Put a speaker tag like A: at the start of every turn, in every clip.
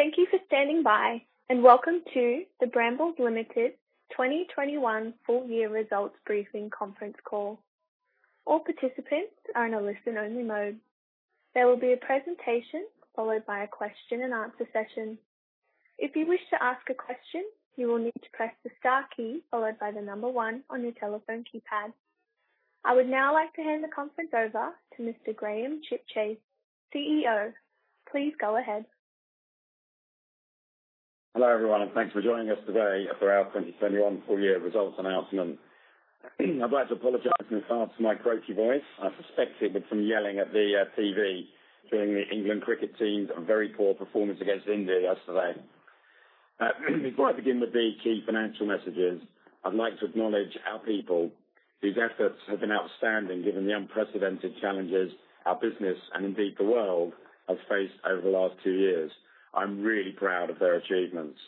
A: Thank you for standing by, and welcome to the Brambles Limited 2021 full year results briefing conference call. All participants are in a listen-only mode. There will be a presentation followed by a question and answer session. If you wish to ask a question, you will need to press the star key followed by the number one on your telephone keypad. I would now like to hand the conference over to Mr. Graham Chipchase, CEO. Please go ahead.
B: Hello, everyone, and thanks for joining us today for our 2021 full year results announcement. I'd like to apologize in advance for my croaky voice. I suspect it was from yelling at the TV during the England cricket team's very poor performance against India yesterday. Before I begin with the key financial messages, I'd like to acknowledge our people whose efforts have been outstanding given the unprecedented challenges our business, and indeed the world, have faced over the last two years. I'm really proud of their achievements.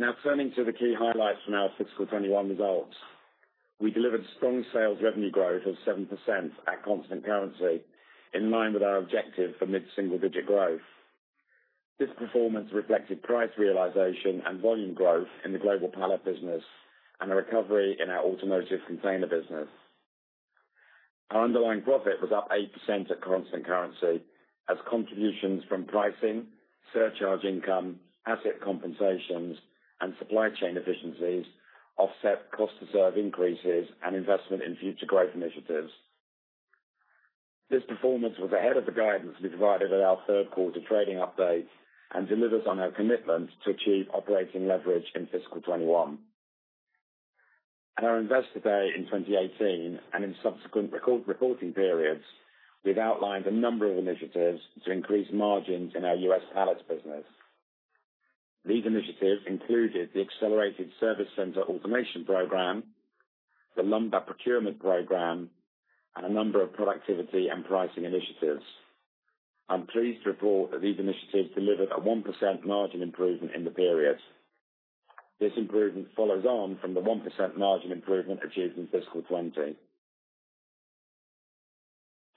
B: Now turning to the key highlights from our fiscal 2021 results. We delivered strong sales revenue growth of 7% at constant currency, in line with our objective for mid-single digit growth. This performance reflected price realization and volume growth in the global pallet business and a recovery in our automotive container business. Our underlying profit was up 8% at constant currency as contributions from pricing, surcharge income, asset compensations, and supply chain efficiencies offset cost to serve increases and investment in future growth initiatives. This performance was ahead of the guidance we provided at our third quarter trading update and delivers on our commitment to achieve operating leverage in fiscal 2021. At our Investor Day in 2018, and in subsequent reporting periods, we've outlined a number of initiatives to increase margins in our U.S. pallets business. These initiatives included the Accelerated Service Center Automation Program, the Lumber Procurement Program, and a number of productivity and pricing initiatives. I'm pleased to report that these initiatives delivered a 1% margin improvement in the period. This improvement follows on from the 1% margin improvement achieved in fiscal 2020.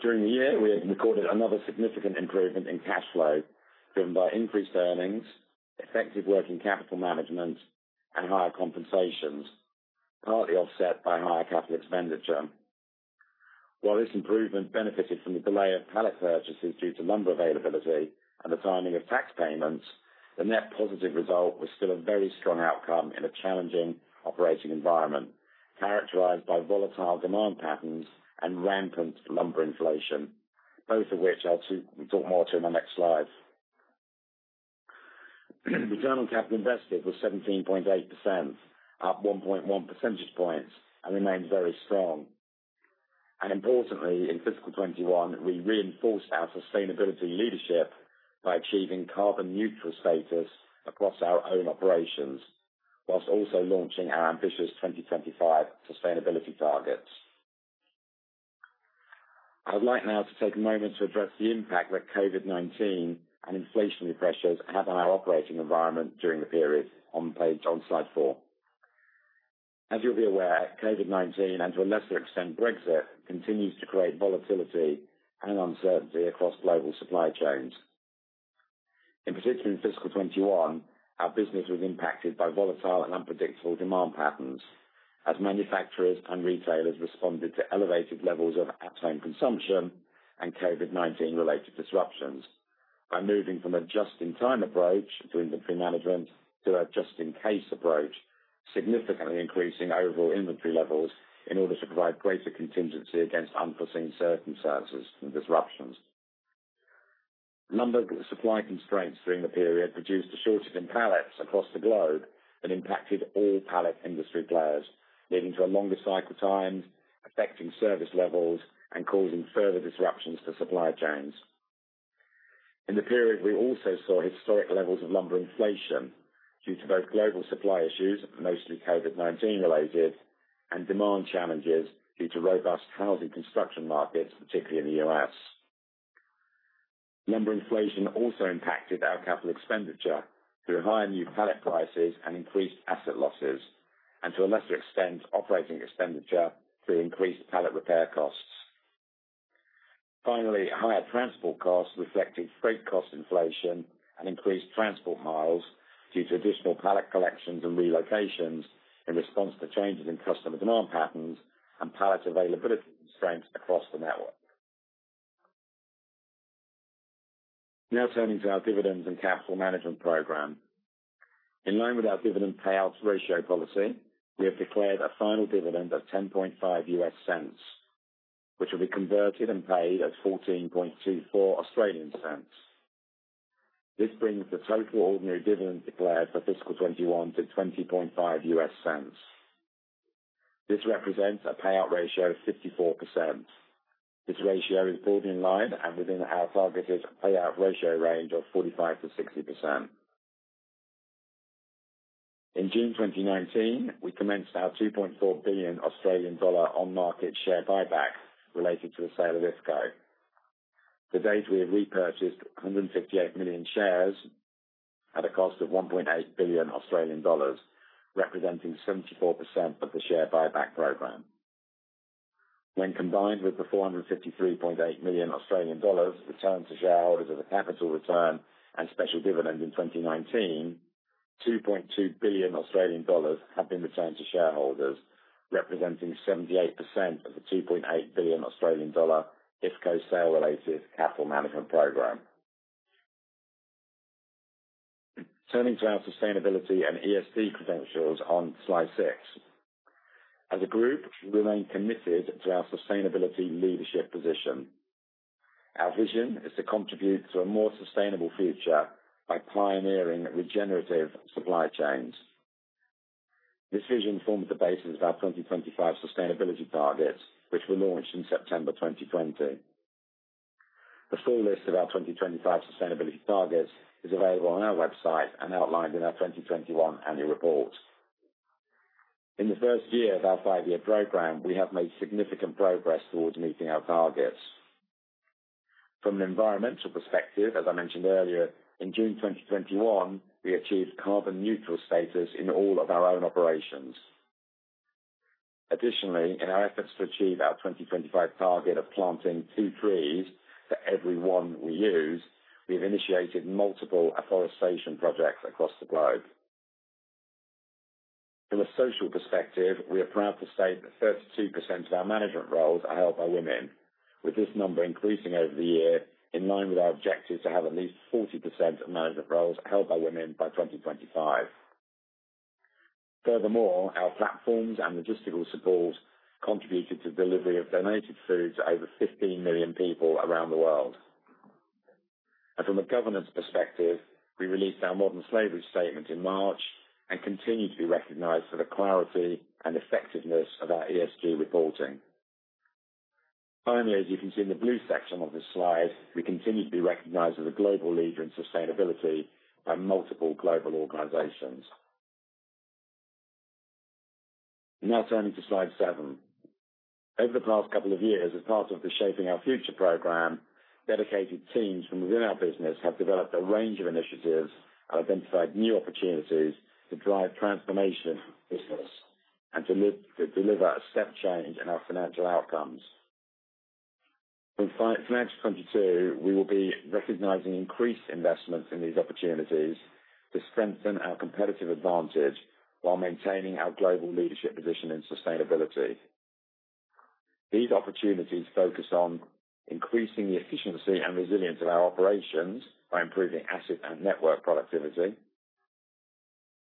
B: During the year, we have recorded another significant improvement in cash flow, driven by increased earnings, effective working capital management, and hired compensations, partly offset by higher capital expenditure. While this improvement benefited from the delay of pallet purchases due to lumber availability and the timing of tax payments, the net positive result was still a very strong outcome in a challenging operating environment, characterized by volatile demand patterns and rampant lumber inflation, both of which I'll talk more to in the next slide. Return on capital invested was 17.8%, up 1.1 percentage points, and remains very strong. Importantly, in fiscal 2021, we reinforced our sustainability leadership by achieving carbon neutral status across our own operations, while also launching our ambitious 2025 sustainability targets. I would like now to take a moment to address the impact that COVID-19 and inflationary pressures had on our operating environment during the period on slide 4. As you'll be aware, COVID-19, and to a lesser extent, Brexit, continues to create volatility and uncertainty across global supply chains. In particular, in fiscal 2021, our business was impacted by volatile and unpredictable demand patterns as manufacturers and retailers responded to elevated levels of at-home consumption and COVID-19 related disruptions by moving from a just-in-time approach to inventory management to a just-in-case approach, significantly increasing overall inventory levels in order to provide greater contingency against unforeseen circumstances and disruptions. Lumber supply constraints during the period produced a shortage in pallets across the globe that impacted all pallet industry players, leading to longer cycle times, affecting service levels, and causing further disruptions to supply chains. In the period, we also saw historic levels of lumber inflation due to both global supply issues, mostly COVID-19 related, and demand challenges due to robust housing construction markets, particularly in the U.S. Lumber inflation also impacted our capital expenditure through higher new pallet prices and increased asset losses, and to a lesser extent, operating expenditure through increased pallet repair costs. Finally, higher transport costs reflecting freight cost inflation and increased transport miles due to additional pallet collections and relocations in response to changes in customer demand patterns and pallet availability constraints across the network. Now turning to our dividends and capital management program. In line with our dividend payouts ratio policy, we have declared a final dividend of $0.105, which will be converted and paid as 0.1424. This brings the total ordinary dividend declared for fiscal 2021 to $0.205. This represents a payout ratio of 54%. This ratio is broadly in line and within our targeted payout ratio range of 45%-60%. In June 2019, we commenced our 2.4 billion Australian dollar on-market share buyback related to the sale of IFCO. To date, we have repurchased 158 million shares at a cost of 1.8 billion Australian dollars, representing 74% of the share buyback program. When combined with the 453.8 million Australian dollars returned to shareholders as a capital return and special dividend in 2019, 2.2 billion Australian dollars have been returned to shareholders, representing 78% of the 2.8 billion Australian dollar IFCO sale-related capital management program. Turning to our sustainability and ESG credentials on slide 6. As a group, we remain committed to our sustainability leadership position. Our vision is to contribute to a more sustainable future by pioneering regenerative supply chains. This vision forms the basis of our 2025 sustainability targets, which were launched in September 2020. The full list of our 2025 sustainability targets is available on our website and outlined in our 2021 annual report. In the first year of our five-year program, we have made significant progress towards meeting our targets. From an environmental perspective, as I mentioned earlier, in June 2021, we achieved carbon neutral status in all of our own operations. Additionally, in our efforts to achieve our 2025 target of planting two trees for every one we use, we have initiated multiple afforestation projects across the globe. From a social perspective, we are proud to say that 32% of our management roles are held by women. With this number increasing over the year in line with our objective to have at least 40% of management roles held by women by 2025. Furthermore, our platforms and logistical support contributed to the delivery of donated food to over 15 million people around the world. From a governance perspective, we released our modern slavery statement in March and continue to be recognized for the clarity and effectiveness of our ESG reporting. Finally, as you can see in the blue section of this slide, we continue to be recognized as a global leader in sustainability by multiple global organizations. Turning to slide 7. Over the last couple of years, as part of the Shaping Our Future program, dedicated teams from within our business have developed a range of initiatives and identified new opportunities to drive transformation of the business and to deliver a step change in our financial outcomes. From financial 2022, we will be recognizing increased investments in these opportunities to strengthen our competitive advantage while maintaining our global leadership position in sustainability. These opportunities focus on increasing the efficiency and resilience of our operations by improving asset and network productivity.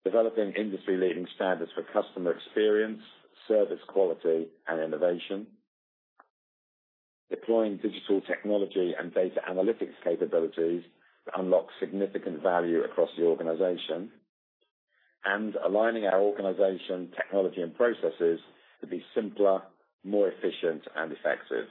B: Developing industry-leading standards for customer experience, service quality, and innovation. Deploying digital technology and data analytics capabilities to unlock significant value across the organization. Aligning our organization technology and processes to be simpler, more efficient and effective.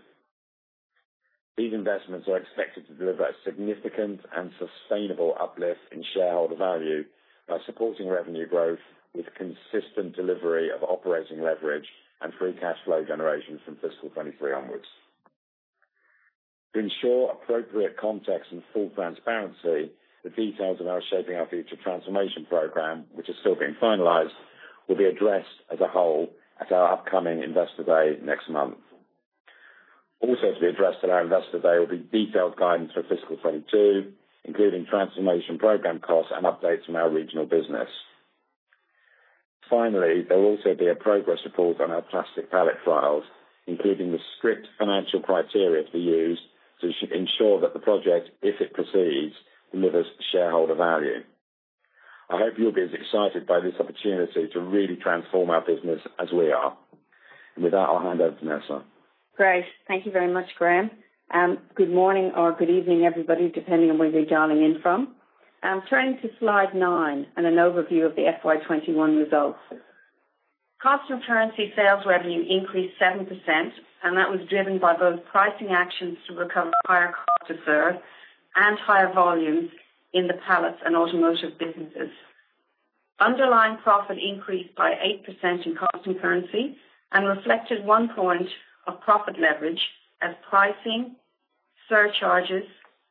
B: These investments are expected to deliver a significant and sustainable uplift in shareholder value by supporting revenue growth with consistent delivery of operating leverage and free cash flow generation from FY 2023 onwards. To ensure appropriate context and full transparency, the details of our Shaping Our Future transformation program, which is still being finalized, will be addressed as a whole at our upcoming Investor Day next month. Also to be addressed at our Investor Day will be detailed guidance for FY 2022, including transformation program costs and updates on our regional business. There will also be a progress report on our plastic pallet trials, including the strict financial criteria to be used to ensure that the project, if it proceeds, delivers shareholder value. I hope you'll be as excited by this opportunity to really transform our business as we are. With that, I'll hand over to Nessa.
C: Great. Thank you very much, Graham. Good morning or good evening, everybody, depending on where you're dialing in from. Turning to slide 9 and an overview of the FY 2021 results. Constant currency sales revenue increased 7%. That was driven by both pricing actions to recover higher cost to serve and higher volumes in the pallets and automotive businesses. Underlying profit increased by 8% in constant currency and reflected 1 point of profit leverage as pricing, surcharges,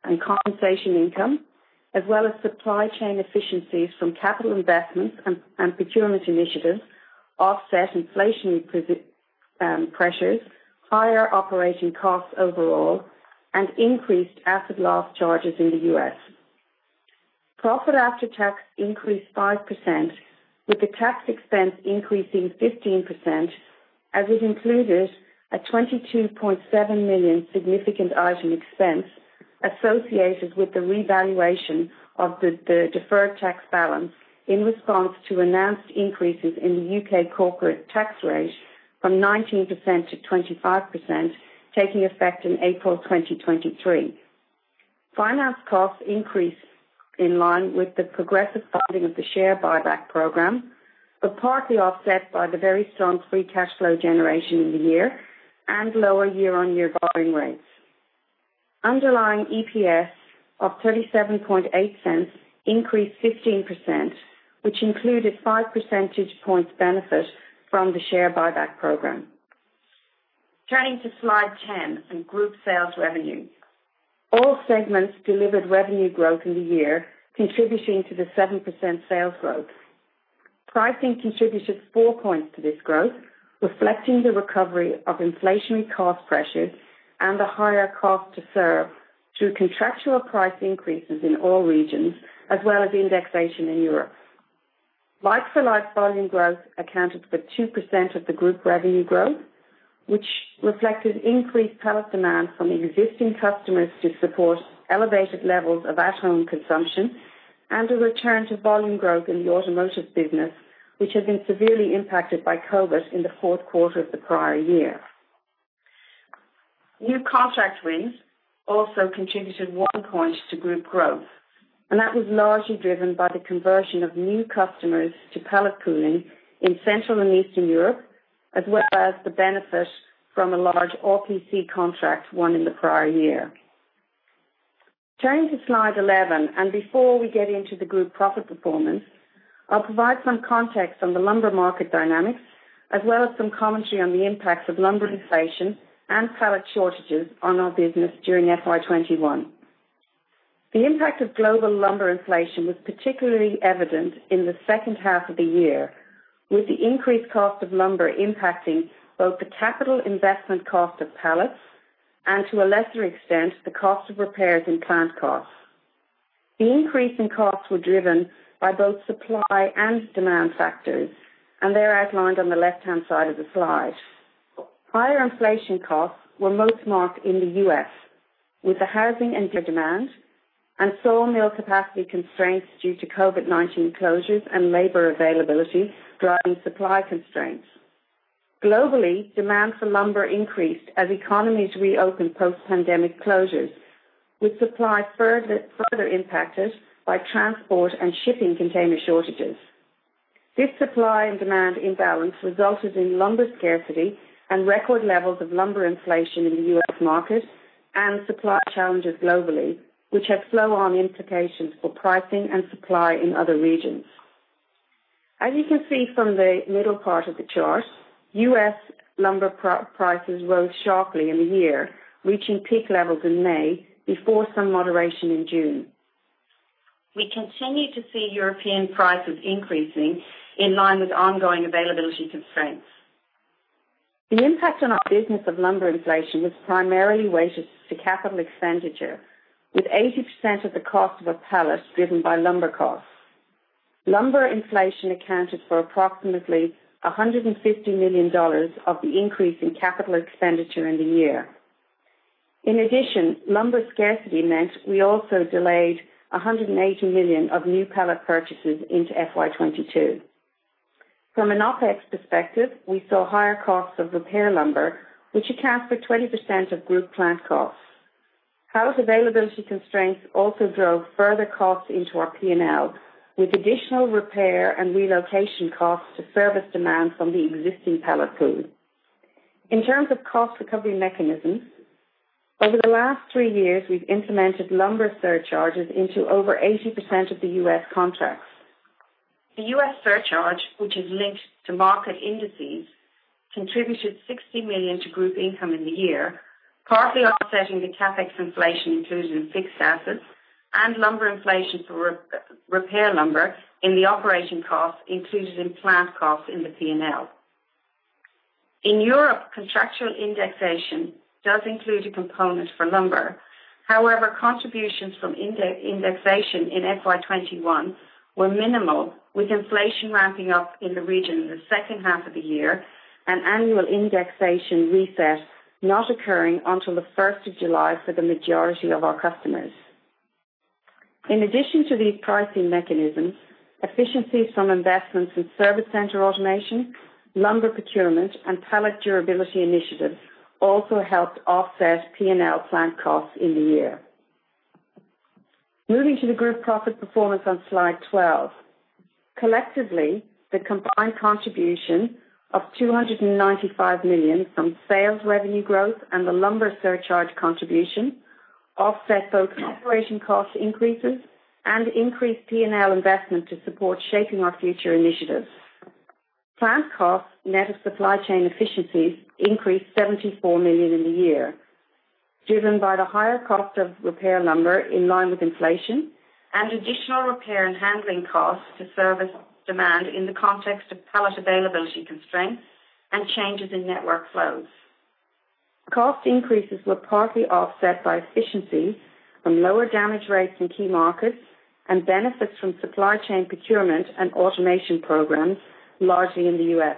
C: and compensation income, as well as supply chain efficiencies from capital investments and procurement initiatives offset inflation pressures, higher operating costs overall, and increased asset loss charges in the U.S. Profit after tax increased 5%, with the tax expense increasing 15%, as it included an 22.7 million significant item expense associated with the revaluation of the deferred tax balance in response to announced increases in the U.K. corporate tax rate from 19% to 25%, taking effect in April 2023. Finance costs increased in line with the progressive funding of the share buyback program, but partly offset by the very strong free cash flow generation in the year and lower year-on-year borrowing rates. Underlying EPS of 0.378 increased 15%, which included 5 percentage points benefit from the share buyback program. Turning to slide 10 in group sales revenue. All segments delivered revenue growth in the year, contributing to the 7% sales growth. Pricing contributed 4 points to this growth, reflecting the recovery of inflationary cost pressures and a higher cost to serve through contractual price increases in all regions, as well as indexation in Europe. Like-for-like volume growth accounted for 2% of the group revenue growth, which reflected increased pallet demand from existing customers to support elevated levels of at-home consumption and a return to volume growth in the automotive business, which had been severely impacted by COVID-19 in the fourth quarter of the prior year. New contract wins also contributed 1 point to group growth. That was largely driven by the conversion of new customers to pallet pooling in Central and Eastern Europe, as well as the benefit from a large RPC contract won in the prior year. Turning to slide 11, before we get into the group profit performance, I'll provide some context on the lumber market dynamics, as well as some commentary on the impacts of lumber inflation and pallet shortages on our business during FY 2021. The impact of global lumber inflation was particularly evident in the second half of the year, with the increased cost of lumber impacting both the capital investment cost of pallets and, to a lesser extent, the cost of repairs and plant costs. The increase in costs were driven by both supply and demand factors, they're outlined on the left-hand side of the slide. Higher inflation costs were most marked in the U.S., with the housing and demand and sawmill capacity constraints due to COVID-19 closures and labor availability driving supply constraints. Globally, demand for lumber increased as economies reopened post-COVID-19 closures, with supply further impacted by transport and shipping container shortages. This supply and demand imbalance resulted in lumber scarcity and record levels of lumber inflation in the U.S. market and supply challenges globally, which have flow-on implications for pricing and supply in other regions. As you can see from the middle part of the chart, U.S. lumber prices rose sharply in the year, reaching peak levels in May before some moderation in June. We continue to see European prices increasing in line with ongoing availability constraints. The impact on our business of lumber inflation was primarily weighted to capital expenditure, with 80% of the cost of a pallet driven by lumber costs. Lumber inflation accounted for approximately $150 million of the increase in capital expenditure in the year. In addition, lumber scarcity meant we also delayed $180 million of new pallet purchases into FY 2022. From an OPEX perspective, we saw higher costs of repair lumber, which accounts for 20% of group plant costs. Pallet availability constraints also drove further costs into our P&L, with additional repair and relocation costs to service demand from the existing pallet pool. In terms of cost recovery mechanisms, over the last three years, we've implemented lumber surcharges into over 80% of the U.S. contracts. The U.S. surcharge, which is linked to market indices, contributed $60 million to group income in the year, partly offsetting the CapEx inflation included in fixed assets and lumber inflation for repair lumber in the operation costs included in plant costs in the P&L. In Europe, contractual indexation does include a component for lumber. However, contributions from indexation in FY 2021 were minimal, with inflation ramping up in the region in the second half of the year and annual indexation reset not occurring until the 1st of July for the majority of our customers. In addition to these pricing mechanisms, efficiencies from investments in service center automation, lumber procurement, and pallet durability initiatives also helped offset P&L plant costs in the year. Moving to the group profit performance on slide 12. Collectively, the combined contribution of $295 million from sales revenue growth and the lumber surcharge contribution offset both operation cost increases and increased P&L investment to support Shaping Our Future initiatives. Plant costs, net of supply chain efficiencies, increased $74 million in the year, driven by the higher cost of repair lumber in line with inflation and additional repair and handling costs to service demand in the context of pallet availability constraints and changes in network flows. Cost increases were partly offset by efficiency from lower damage rates in key markets and benefits from supply chain procurement and automation programs, largely in the U.S.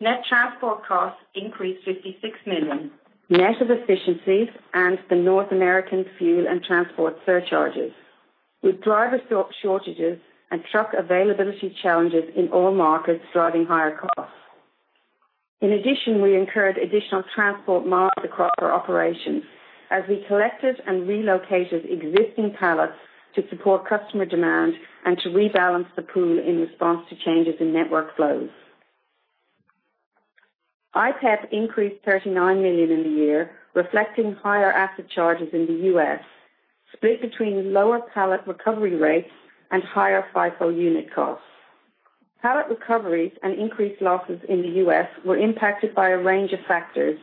C: Net transport costs increased $56 million, net of efficiencies and the North American fuel and transport surcharges, with driver shortages and truck availability challenges in all markets driving higher costs. In addition, we incurred additional transport miles across our operations as we collected and relocated existing pallets to support customer demand and to rebalance the pool in response to changes in network flows. IPEP increased $39 million in the year, reflecting higher asset charges in the U.S., split between lower pallet recovery rates and higher FIFO unit costs. Pallet recoveries and increased losses in the U.S. were impacted by a range of factors,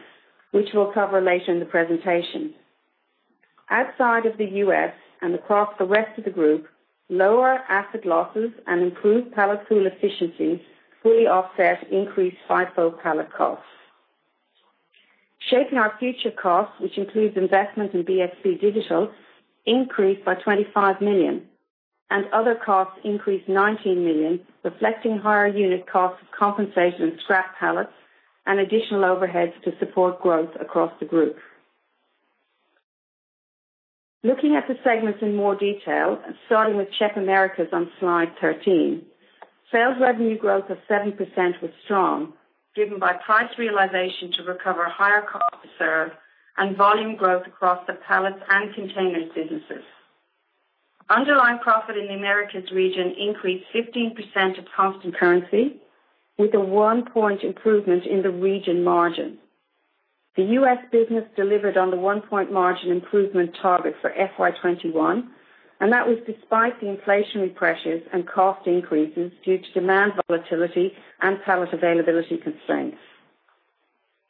C: which we'll cover later in the presentation. Outside of the U.S. and across the rest of the group, lower asset losses and improved pallet pool efficiency fully offset increased FIFO pallet costs. Shaping Our Future costs, which includes investment in BXB Digital, increased by $25 million, and other costs increased $19 million, reflecting higher unit costs of compensation and scrap pallets and additional overheads to support growth across the group. Looking at the segments in more detail and starting with CHEP Americas on slide 13, sales revenue growth of 70% was strong, driven by price realization to recover higher cost to serve and volume growth across the pallets and containers businesses. Underlying profit in the Americas region increased 15% at constant currency, with a 1-point improvement in the region margin. The U.S. business delivered on the 1-point margin improvement target for FY 2021, and that was despite the inflationary pressures and cost increases due to demand volatility and pallet availability constraints.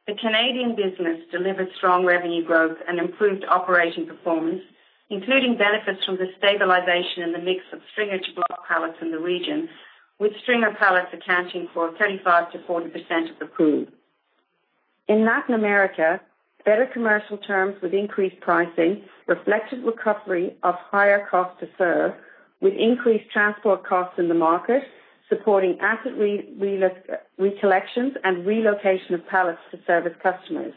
C: The Canadian business delivered strong revenue growth and improved operating performance, including benefits from the stabilization in the mix of stringer to block pallets in the region, with stringer pallets accounting for 35%-40% of the pool. In Latin America, better commercial terms with increased pricing reflected recovery of higher cost to serve with increased transport costs in the market, supporting asset recollections and relocation of pallets to service customers.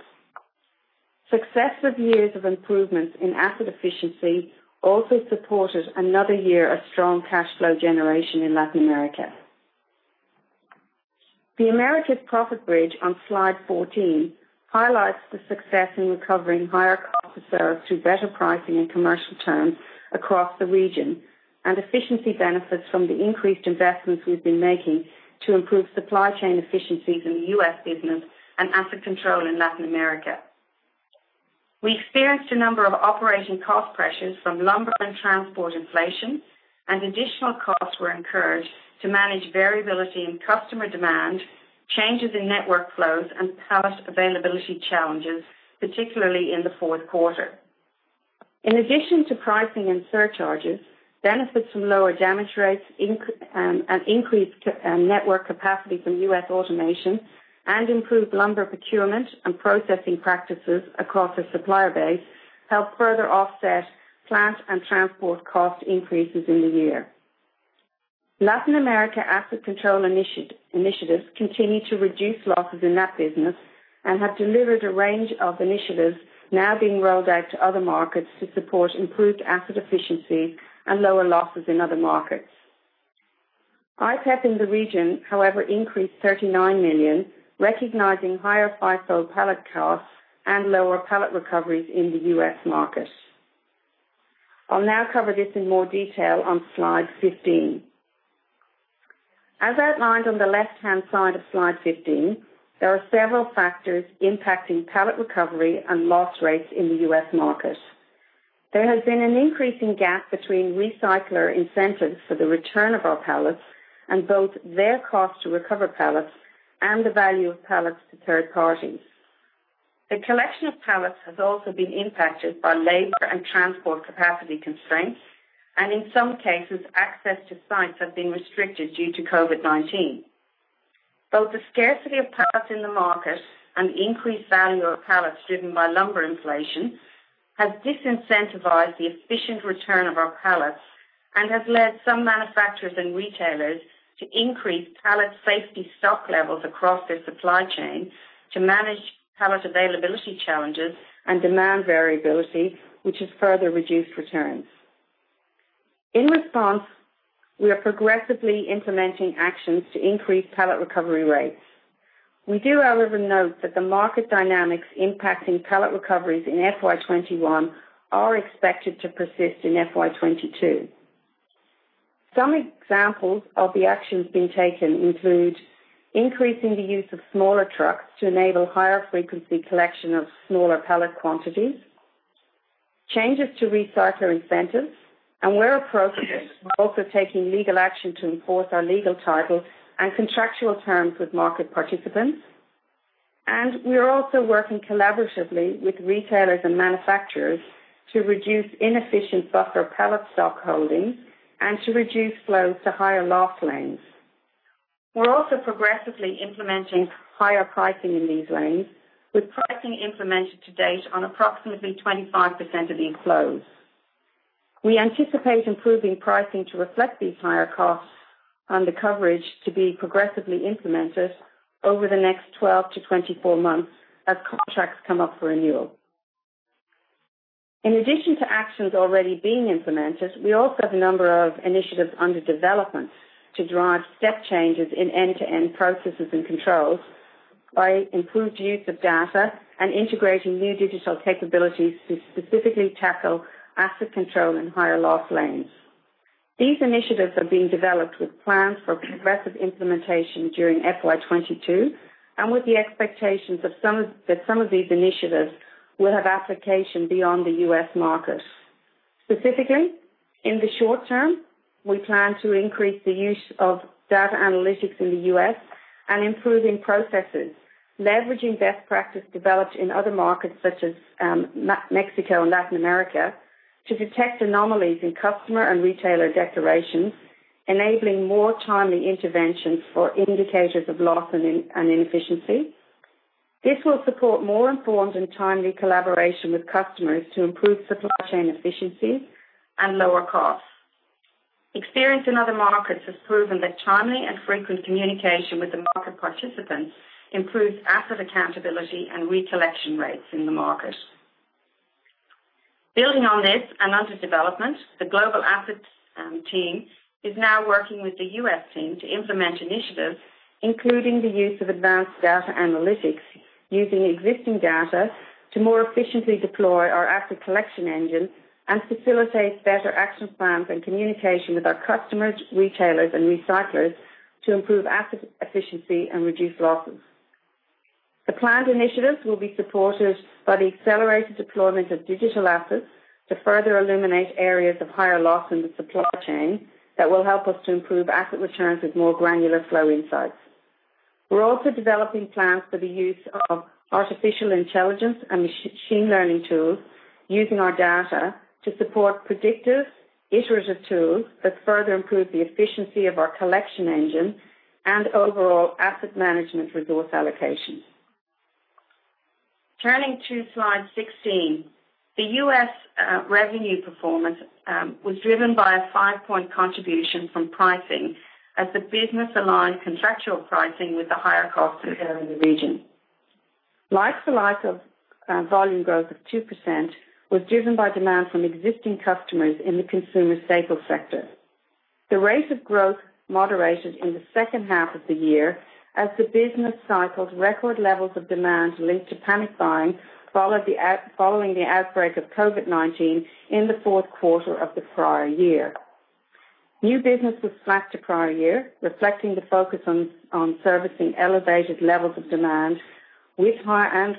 C: Successive years of improvements in asset efficiency also supported another year of strong cash flow generation in Latin America. The Americas profit bridge on slide 14 highlights the success in recovering higher cost to serve through better pricing and commercial terms across the region and efficiency benefits from the increased investments we've been making to improve supply chain efficiencies in the U.S. business and asset control in Latin America. We experienced a number of operating cost pressures from lumber and transport inflation, and additional costs were incurred to manage variability in customer demand, changes in network flows, and pallet availability challenges, particularly in the fourth quarter. In addition to pricing and surcharges, benefits from lower damage rates and increased network capacity from U.S. automation and improved lumber procurement and processing practices across the supplier base helped further offset plant and transport cost increases in the year. Latin America asset control initiatives continue to reduce losses in that business and have delivered a range of initiatives now being rolled out to other markets to support improved asset efficiency and lower losses in other markets. IPEP in the region, however, increased $39 million, recognizing higher FIFO pallet costs and lower pallet recoveries in the U.S. market. I'll now cover this in more detail on slide 15. As outlined on the left-hand side of slide 15, there are several factors impacting pallet recovery and loss rates in the U.S. market. There has been an increasing gap between recycler incentives for the return of our pallets and both their cost to recover pallets and the value of pallets to third parties. The collection of pallets has also been impacted by labor and transport capacity constraints, and in some cases, access to sites have been restricted due to COVID-19. Both the scarcity of pallets in the market and the increased value of pallets driven by lumber inflation has disincentivized the efficient return of our pallets and has led some manufacturers and retailers to increase pallet safety stock levels across their supply chain to manage pallet availability challenges and demand variability, which has further reduced returns. In response, we are progressively implementing actions to increase pallet recovery rates. We do, however, note that the market dynamics impacting pallet recoveries in FY 2021 are expected to persist in FY 2022. Some examples of the actions being taken include increasing the use of smaller trucks to enable higher frequency collection of smaller pallet quantities, changes to recycler incentives, and where appropriate, we are also taking legal action to enforce our legal title and contractual terms with market participants. We are also working collaboratively with retailers and manufacturers to reduce inefficient buffer pallet stock holding and to reduce flows to higher loss lanes. We're also progressively implementing higher pricing in these lanes, with pricing implemented to date on approximately 25% of these flows. We anticipate improving pricing to reflect these higher costs and the coverage to be progressively implemented over the next 12-24 months as contracts come up for renewal. In addition to actions already being implemented, we also have a number of initiatives under development to drive step changes in end-to-end processes and controls by improved use of data and integrating new digital capabilities to specifically tackle asset control in higher loss lanes. These initiatives are being developed with plans for progressive implementation during FY 2022 and with the expectations that some of these initiatives will have application beyond the U.S. market. Specifically, in the short term, we plan to increase the use of data analytics in the U.S. and improving processes, leveraging best practice developed in other markets such as Mexico and Latin America to detect anomalies in customer and retailer declarations, enabling more timely interventions for indicators of loss and inefficiency. This will support more informed and timely collaboration with customers to improve supply chain efficiency and lower costs. Experience in other markets has proven that timely and frequent communication with the market participants improves asset accountability and re-collection rates in the market. Building on this and under development, the global assets team is now working with the U.S. team to implement initiatives, including the use of advanced data analytics using existing data to more efficiently deploy our asset collection engine and facilitate better action plans and communication with our customers, retailers, and recyclers to improve asset efficiency and reduce losses. The planned initiatives will be supported by the accelerated deployment of digital assets to further illuminate areas of higher loss in the supply chain that will help us to improve asset returns with more granular flow insights. We're also developing plans for the use of artificial intelligence and machine learning tools using our data to support predictive iterative tools that further improve the efficiency of our collection engine and overall asset management resource allocation. Turning to slide 16. The U.S. revenue performance was driven by a 5-point contribution from pricing as the business aligned contractual pricing with the higher cost to serve in the region. Like-for-like of volume growth of 2% was driven by demand from existing customers in the consumer staples sector. The rate of growth moderated in the second half of the year as the business cycled record levels of demand linked to panic buying following the outbreak of COVID-19 in the fourth quarter of the prior year. New business was flat to prior year, reflecting the focus on servicing elevated levels of demand and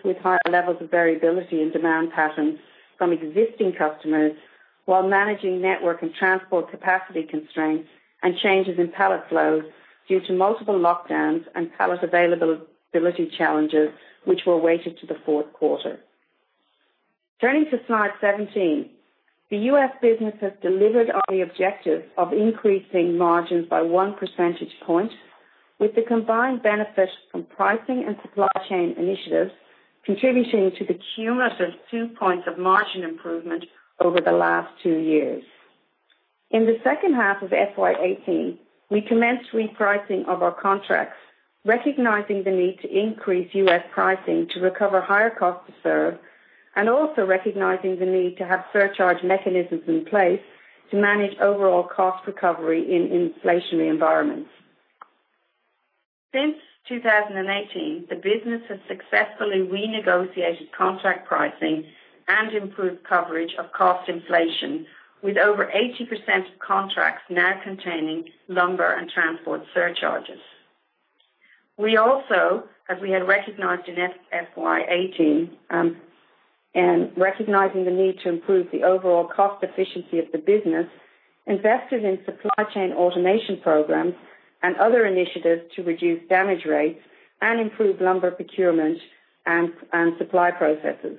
C: with higher levels of variability in demand patterns from existing customers while managing network and transport capacity constraints and changes in pallet flows due to multiple lockdowns and pallet availability challenges which were weighted to the fourth quarter. Turning to slide 17. The U.S. business has delivered on the objective of increasing margins by 1 percentage point, with the combined benefit from pricing and supply chain initiatives contributing to the cumulative 2 points of margin improvement over the last two years. In the second half of FY 2018, we commenced repricing of our contracts, recognizing the need to increase U.S. pricing to recover higher cost to serve and also recognizing the need to have surcharge mechanisms in place to manage overall cost recovery in inflationary environments. Since 2018, the business has successfully renegotiated contract pricing and improved coverage of cost inflation, with over 80% of contracts now containing lumber and transport surcharges. We also, as we had recognized in FY 2018, and recognizing the need to improve the overall cost efficiency of the business, invested in supply chain automation programs and other initiatives to reduce damage rates and improve lumber procurement and supply processes.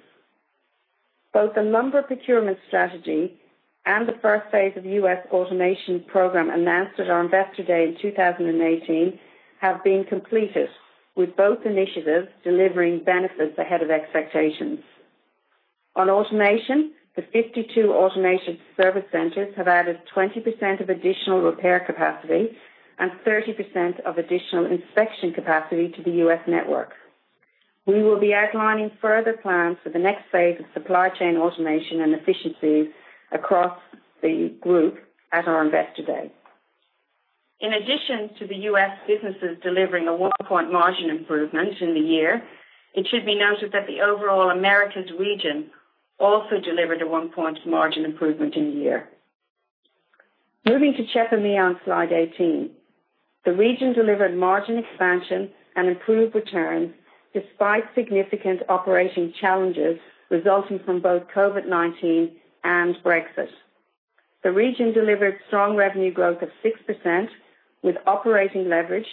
C: Both the lumber procurement strategy and the first phase of U.S. automation program announced at our Investor Day in 2018 have been completed, with both initiatives delivering benefits ahead of expectations. On automation, the 52 automation service centers have added 20% of additional repair capacity and 30% of additional inspection capacity to the U.S. network. We will be outlining further plans for the next phase of supply chain automation and efficiencies across the group at our Investor Day. In addition to the U.S. businesses delivering a one-point margin improvement in the year, it should be noted that the overall Americas region also delivered a one-point margin improvement in the year. Moving to CHEP EMEA on slide 18. The region delivered margin expansion and improved returns despite significant operating challenges resulting from both COVID-19 and Brexit. The region delivered strong revenue growth of 6% with operating leverage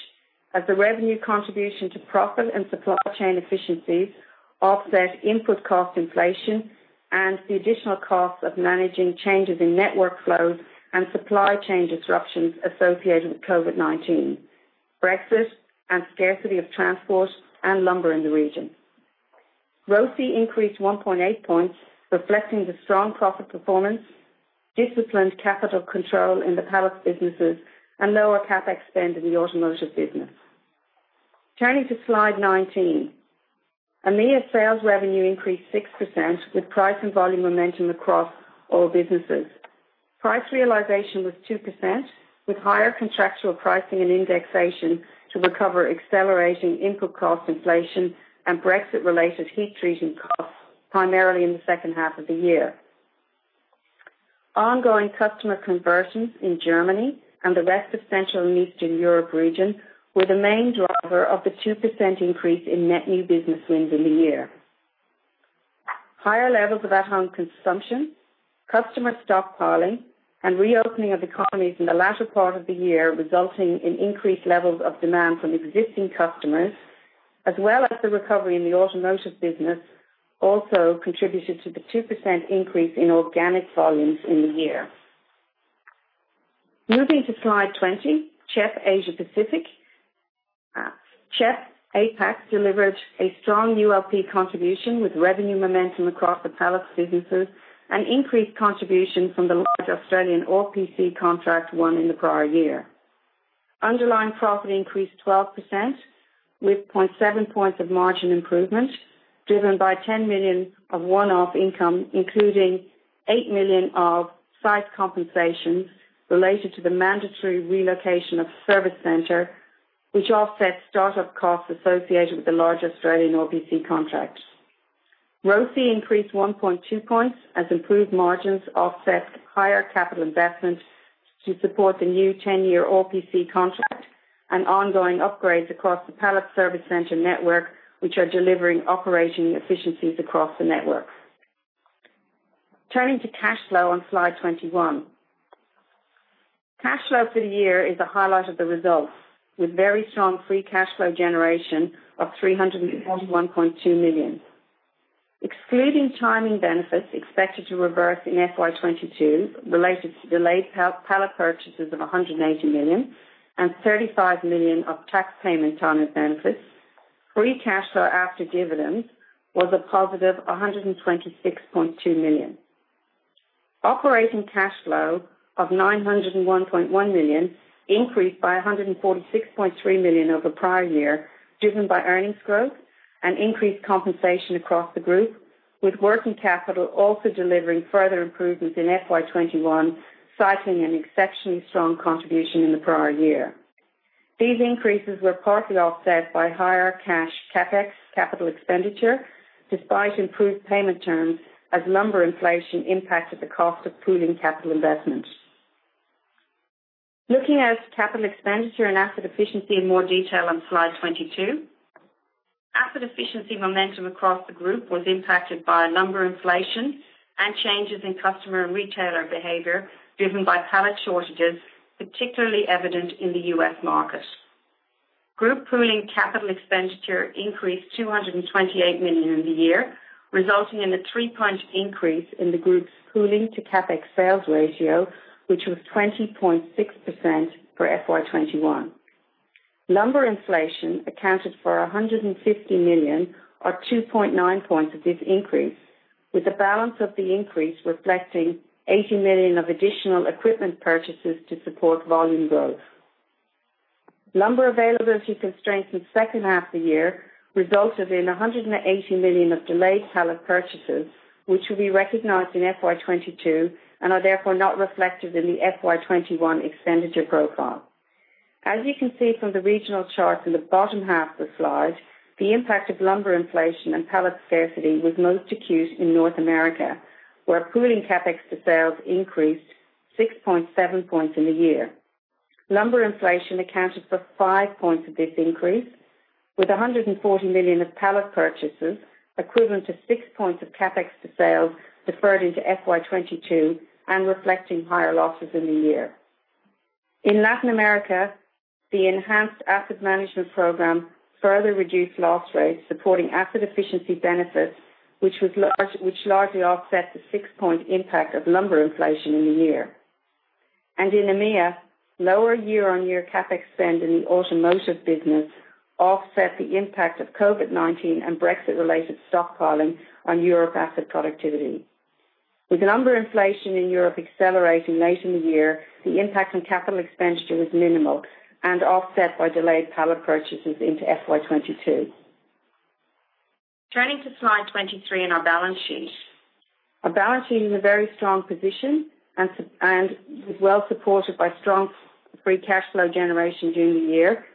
C: as the revenue contribution to profit and supply chain efficiencies offset input cost inflation and the additional costs of managing changes in network flows and supply chain disruptions associated with COVID-19, Brexit, and scarcity of transport and lumber in the region. ROCE increased 1.8 points, reflecting the strong profit performance, disciplined capital control in the pallet businesses, and lower CapEx spend in the automotive business. Turning to slide 19. EMEA sales revenue increased 6% with price and volume momentum across all businesses. Price realization was 2%, with higher contractual pricing and indexation to recover accelerating input cost inflation and Brexit-related heat treating costs, primarily in the second half of the year. Ongoing customer conversions in Germany and the rest of Central and Eastern Europe region were the main driver of the 2% increase in net new business wins in the year. Higher levels of at-home consumption, customer stockpiling, and reopening of economies in the latter part of the year, resulting in increased levels of demand from existing customers, as well as the recovery in the automotive business, also contributed to the 2% increase in organic volumes in the year. Moving to slide 20, CHEP Asia-Pacific. CHEP Asia-Pacific delivered a strong ULP contribution with revenue momentum across the pallet businesses and increased contribution from the large Australian RPC contract won in the prior year. Underlying profit increased 12% with 0.7 points of margin improvement, driven by 10 million of one-off income, including 8 million of site compensation related to the mandatory relocation of a service center, which offsets start-up costs associated with the large Australian RPC contract. ROCE increased 1.2 points as improved margins offset higher capital investment to support the new 10-year RPC contract and ongoing upgrades across the pallet service center network, which are delivering operating efficiencies across the network. Turning to cash flow on slide 21. Cash flow for the year is a highlight of the results, with very strong free cash flow generation of 341.2 million. Excluding timing benefits expected to reverse in FY 2022 related to delayed pallet purchases of 180 million and 35 million of tax payment timing benefits, free cash flow after dividends was a positive 126.2 million. Operating cash flow of 901.1 million increased by 146.3 million over prior year, driven by earnings growth and increased compensation across the group, with working capital also delivering further improvements in FY 2021, citing an exceptionally strong contribution in the prior year. These increases were partly offset by higher cash CapEx capital expenditure, despite improved payment terms as lumber inflation impacted the cost of pooling capital investment. Looking at capital expenditure and asset efficiency in more detail on slide 22. Asset efficiency momentum across the group was impacted by lumber inflation and changes in customer and retailer behavior driven by pallet shortages, particularly evident in the U.S. market. Group pooling capital expenditure increased 228 million in the year, resulting in a 3-point increase in the group's pooling to CapEx sales ratio, which was 20.6% for FY 2021. Lumber inflation accounted for 150 million, or 2.9 points of this increase, with the balance of the increase reflecting 80 million of additional equipment purchases to support volume growth. Lumber availability constraints in the second half of the year resulted in 180 million of delayed pallet purchases, which will be recognized in FY 2022 and are therefore not reflected in the FY 2021 expenditure profile. As you can see from the regional charts in the bottom half of the slide, the impact of lumber inflation and pallet scarcity was most acute in North America, where pooling CapEx to sales increased 6.7 points in the year. Lumber inflation accounted for five points of this increase, with 140 million of pallet purchases equivalent to six points of CapEx to sales deferred into FY 2022 and reflecting higher losses in the year. In Latin America, the enhanced asset management program further reduced loss rates, supporting asset efficiency benefits, which largely offset the 6-point impact of lumber inflation in the year. In EMEA, lower year-on-year CapEx spend in the automotive business offset the impact of COVID-19 and Brexit-related stockpiling on Europe asset productivity. With lumber inflation in Europe accelerating late in the year, the impact on capital expenditure was minimal and offset by delayed pallet purchases into FY 2022. Turning to slide 23 and our balance sheet. Our balance sheet is in a very strong position and is well supported by strong free cash flow generation during the year.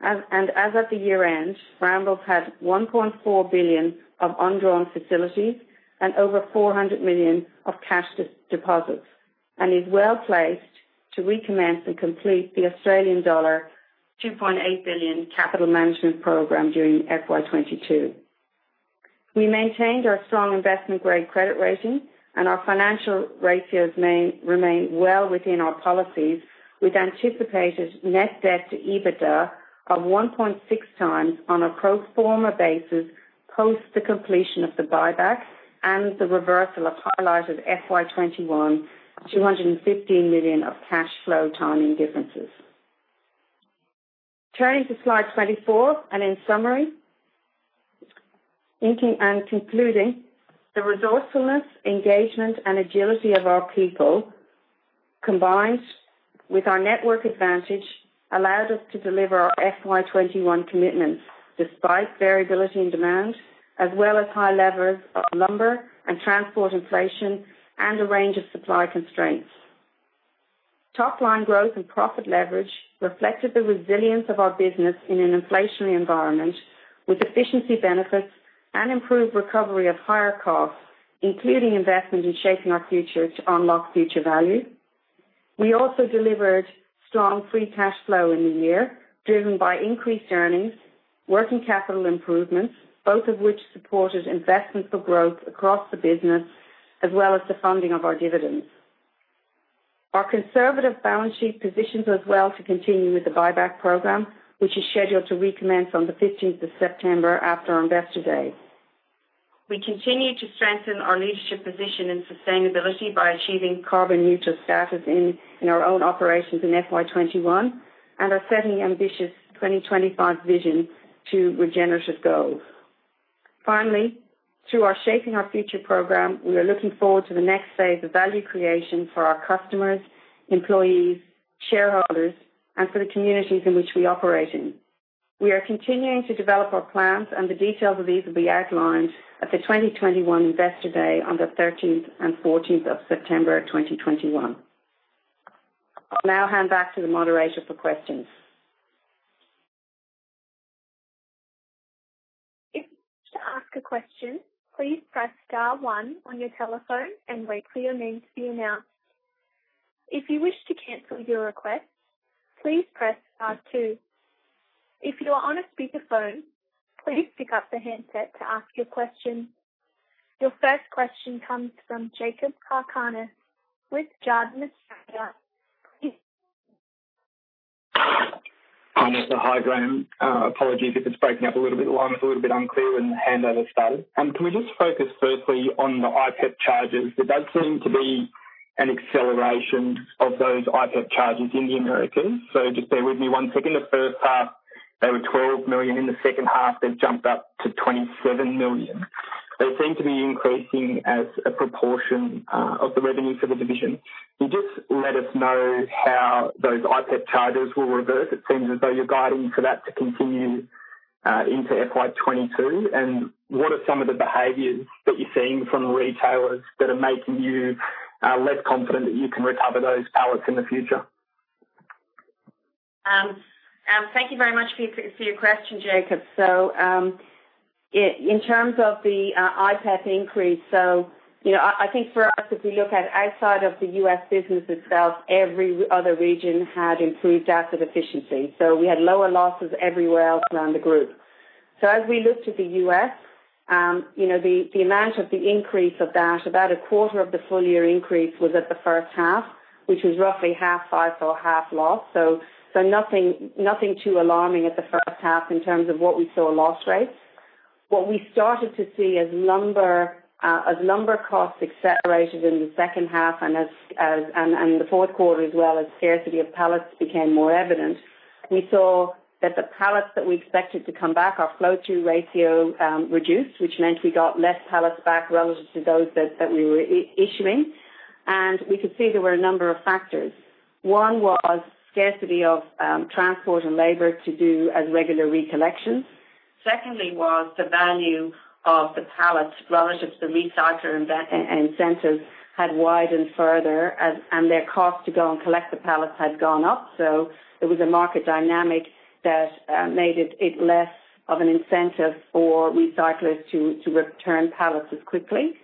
C: As of the year-end, Brambles had 1.4 billion of undrawn facilities and over 400 million of cash deposits and is well-placed to recommence and complete the Australian dollar 2.8 billion capital management program during FY 2022. We maintained our strong investment-grade credit rating and our financial ratios remain well within our policies. We've anticipated net debt to EBITDA of 1.6x on a pro forma basis post the completion of the buyback and the reversal of highlighted FY 2021 $250 million of cash flow timing differences. Turning to slide 24 and in summary, thinking and concluding, the resourcefulness, engagement, and agility of our people, combined with our network advantage, allowed us to deliver our FY 2021 commitments despite variability in demand as well as high levels of lumber and transport inflation and a range of supply constraints. Top-line growth and profit leverage reflected the resilience of our business in an inflationary environment with efficiency benefits and improved recovery of higher costs, including investment in Shaping Our Future to unlock future value. We also delivered strong free cash flow in the year, driven by increased earnings, working capital improvements, both of which supported investment for growth across the business, as well as the funding of our dividends. Our conservative balance sheet positions us well to continue with the buyback program, which is scheduled to recommence on the 15th of September after our Investor Day. We continue to strengthen our leadership position in sustainability by achieving carbon neutral status in our own operations in FY 2021, and are setting ambitious 2025 vision to regenerative goals. Finally, through our Shaping Our Future program, we are looking forward to the next phase of value creation for our customers, employees, shareholders, and for the communities in which we operate in. We are continuing to develop our plans, and the details of these will be outlined at the 2021 Investor Day on the 13th and 14th of September 2021. I'll now hand back to the moderator for questions.
A: Your first question comes from Jakob Cakarnis with Jarden Australia.
D: Hi, Graham. Apologies if it's breaking up a little bit. The line was a little bit unclear when the handover started. Can we just focus firstly on the IPEP charges? There does seem to be an acceleration of those IPEP charges in the Americas. Just bear with me one second. The first half, they were $12 million. In the second half, they've jumped up to $27 million. They seem to be increasing as a proportion of the revenue for the division. Can you just let us know how those IPEP charges will reverse? It seems as though you're guiding for that to continue into FY 2022. What are some of the behaviors that you're seeing from the retailers that are making you less confident that you can recover those pallets in the future?
C: Thank you very much for your question, Jakob. In terms of the IPEP increase, I think for us, if we look at outside of the U.S. business itself, every other region had improved asset efficiency. We had lower losses everywhere else around the group. As we looked at the U.S., the amount of the increase of that, about a quarter of the full year increase was at the first half, which was roughly half size or half loss. Nothing too alarming at the first half in terms of what we saw loss rates. What we started to see as lumber costs accelerated in the second half and the fourth quarter as well as scarcity of pallets became more evident, we saw that the pallets that we expected to come back, our flow-through ratio reduced, which meant we got less pallets back relative to those that we were issuing. We could see there were a number of factors. One was scarcity of transport and labor to do as regular recollections. Secondly was the value of the pallets relative to recycler incentives had widened further and their cost to go and collect the pallets had gone up. So there was a market dynamic that made it less of an incentive for recyclers to return pallets as quickly.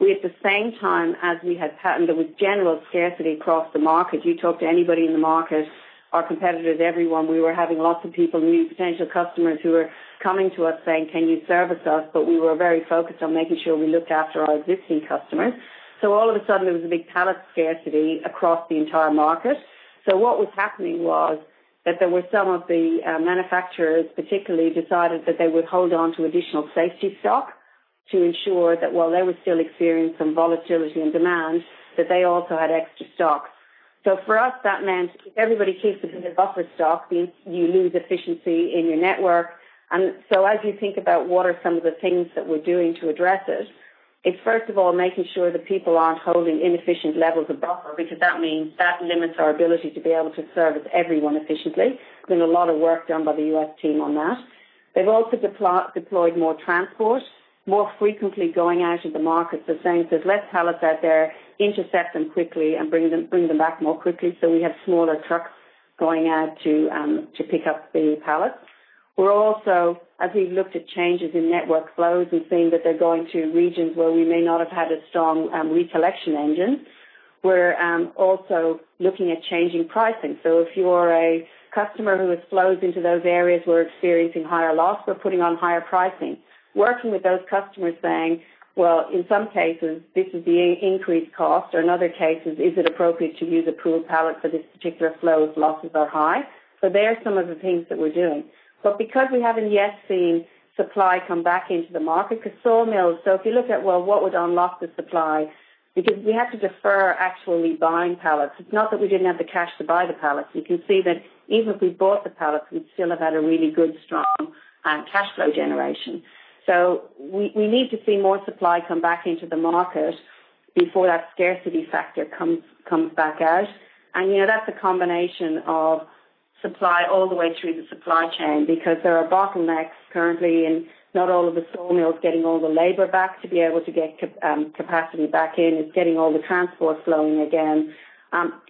C: We, at the same time as we had patterned, there was general scarcity across the market. You talk to anybody in the market, our competitors, everyone, we were having lots of people, new potential customers who were coming to us saying, "Can you service us?" We were very focused on making sure we looked after our existing customers. All of a sudden, there was a big pallet scarcity across the entire market. What was happening was that there were some of the manufacturers particularly decided that they would hold on to additional safety stock to ensure that while they would still experience some volatility and demand, that they also had extra stock. For us, that meant if everybody keeps it in the buffer stock, you lose efficiency in your network. As you think about what are some of the one of the things that we're doing to address it's first of all making sure that people aren't holding inefficient levels of buffer, because that means that limits our ability to be able to service everyone efficiently. There's been a lot of work done by the U.S. team on that. They've also deployed more transport, more frequently going out into the market. They're saying there's less pallets out there, intercept them quickly and bring them back more quickly. We have smaller trucks going out to pick up the pallets. We're also, as we've looked at changes in network flows, we've seen that they're going to regions where we may not have had a strong collection engine. We're also looking at changing pricing. If you are a customer who has flows into those areas, we're experiencing higher loss, we're putting on higher pricing. Working with those customers saying, well, in some cases, this is the increased cost, or in other cases, is it appropriate to use a pool pallet for this particular flow if losses are high? There are some of the things that we're doing. Because we haven't yet seen supply come back into the market, because sawmills, so if you look at, well, what would unlock the supply, because we have to defer actually buying pallets. It's not that we didn't have the cash to buy the pallets. You can see that even if we bought the pallets, we'd still have had a really good, strong cash flow generation. We need to see more supply come back into the market before that scarcity factor comes back out. That's a combination of supply all the way through the supply chain, because there are bottlenecks currently in not all of the sawmills getting all the labor back to be able to get capacity back in. It's getting all the transport flowing again.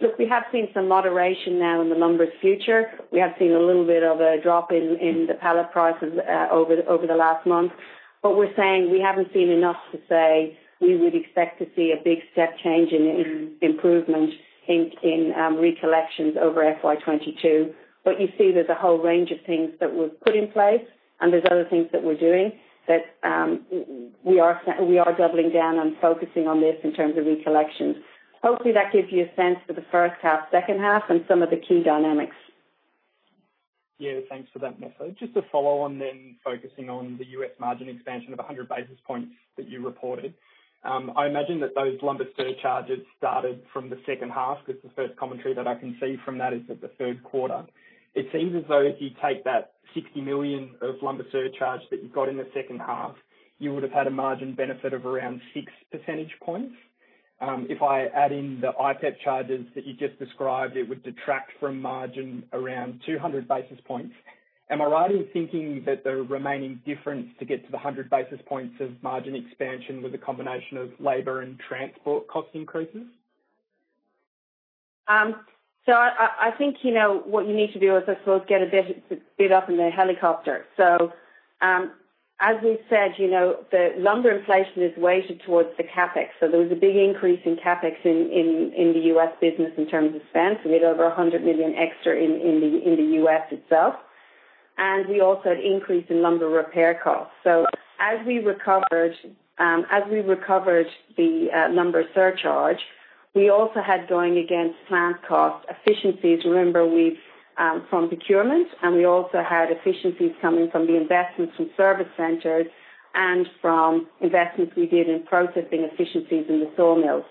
C: Look, we have seen some moderation now in the lumber future. We have seen a little bit of a drop in the pallet prices over the last month. We're saying we haven't seen enough to say we would expect to see a big step change in improvement in recollections over FY 2022. You see there's a whole range of things that we've put in place and there's other things that we're doing that we are doubling down on focusing on this in terms of recollections. Hopefully, that gives you a sense for the first half, second half, and some of the key dynamics.
D: Yeah, thanks for that, Nessa. Just to follow on focusing on the U.S. margin expansion of 100 basis points that you reported. I imagine that those lumber surcharges started from the second half because the first commentary that I can see from that is that the third quarter. It seems as though if you take that $60 million of lumber surcharge that you got in the second half, you would've had a margin benefit of around 6 percentage points. If I add in the IPEP charges that you just described, it would detract from margin around 200 basis points. Am I right in thinking that the remaining difference to get to the 100 basis points of margin expansion was a combination of labor and transport cost increases?
C: I think what you need to do is, I suppose, get a bit up in the helicopter. As we've said, the lumber inflation is weighted towards the CapEx. There was a big increase in CapEx in the U.S. business in terms of spend. We had over $100 million extra in the U.S. itself. We also had increase in lumber repair costs. As we recovered the lumber surcharge, we also had going against plant cost efficiencies. Remember, from procurement, and we also had efficiencies coming from the investments from service centers and from investments we did in processing efficiencies in the sawmill.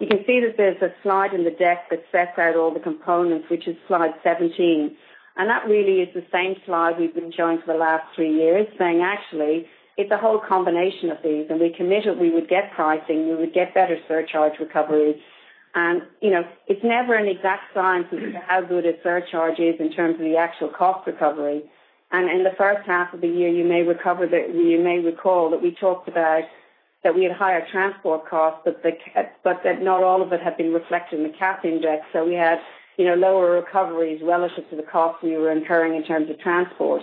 C: You can see that there's a slide in the deck that sets out all the components, which is slide 17. That really is the same slide we've been showing for the last three years, saying, actually, it's a whole combination of these, and we committed we would get pricing, we would get better surcharge recoveries. It's never an exact science as to how good a surcharge is in terms of the actual cost recovery. In the first half of the year, you may recall that we talked about that we had higher transport costs, but that not all of it had been reflected in the CASS index. We had lower recoveries relative to the cost we were incurring in terms of transport.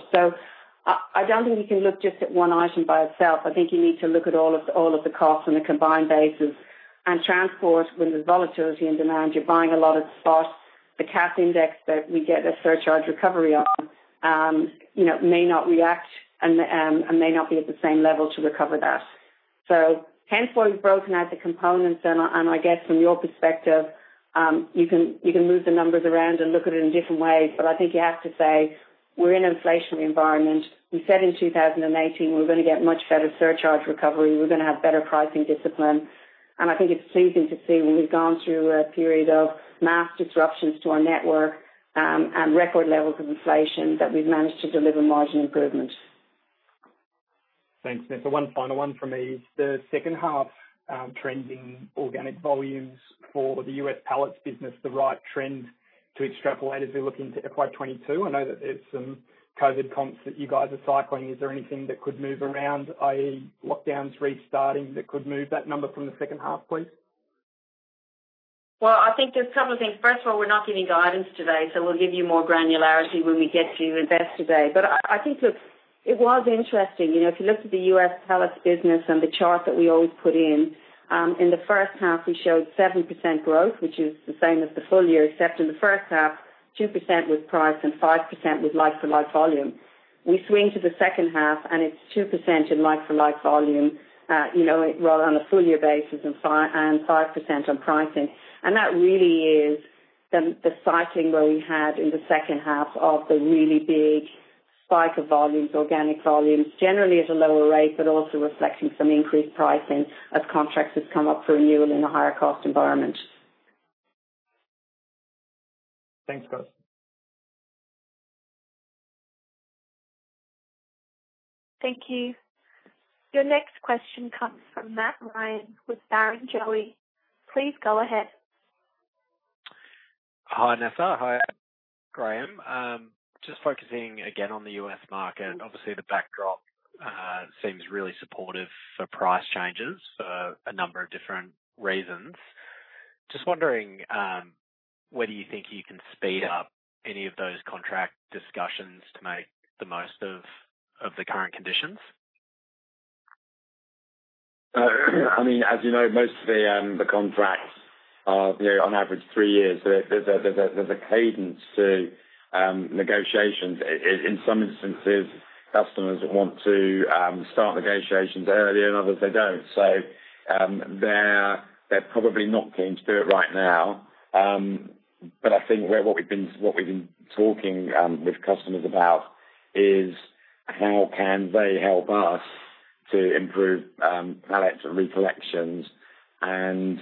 C: I don't think you can look just at one item by itself. I think you need to look at all of the costs on a combined basis. Transport, when there's volatility in demand, you're buying a lot of spot. The CASS index that we get a surcharge recovery on may not react and may not be at the same level to recover that. Hence why we've broken out the components. I guess from your perspective, you can move the numbers around and look at it in different ways. I think you have to say we're in an inflationary environment. We said in 2018 we're going to get much better surcharge recovery. We're going to have better pricing discipline. I think it's pleasing to see when we've gone through a period of mass disruptions to our network and record levels of inflation, that we've managed to deliver margin improvement.
D: Thanks, Nessa. One final one from me. Is the second half trending organic volumes for the U.S. pallets business the right trend to extrapolate as we look into FY 2022? I know that there's some COVID-19 comps that you guys are cycling. Is there anything that could move around, i.e., lockdowns restarting, that could move that number from the second half, please?
C: I think there's a couple of things. First of all, we're not giving guidance today. We'll give you more granularity when we get to Investor Day. I think, look, it was interesting. If you looked at the U.S. pallets business and the chart that we always put in. In the first half, we showed 70% growth, which is the same as the full year, except in the first half, 2% was price and 5% was like-for-like volume. We swing to the second half. It's 2% in like-for-like volume on a full year basis and 5% on pricing. That really is the cycling where we had in the second half of the really big spike of volumes, organic volumes. Generally at a lower rate, also reflecting some increased pricing as contracts have come up for renewal in a higher cost environment.
D: Thanks.
A: Thank you. Your next question comes from Matt Ryan with Barrenjoey. Please go ahead.
E: Hi, Nessa. Hi, Graham. Just focusing again on the U.S. market. Obviously, the backdrop seems really supportive for price changes for a number of different reasons. Just wondering, where do you think you can speed up any of those contract discussions to make the most of the current conditions?
B: I mean, as you know, most of the contracts are on average three years. There's a cadence to negotiations. In some instances, customers want to start negotiations earlier, others they don't. They're probably not keen to do it right now. I think what we've been talking with customers about is how can they help us to improve pallet recollections. In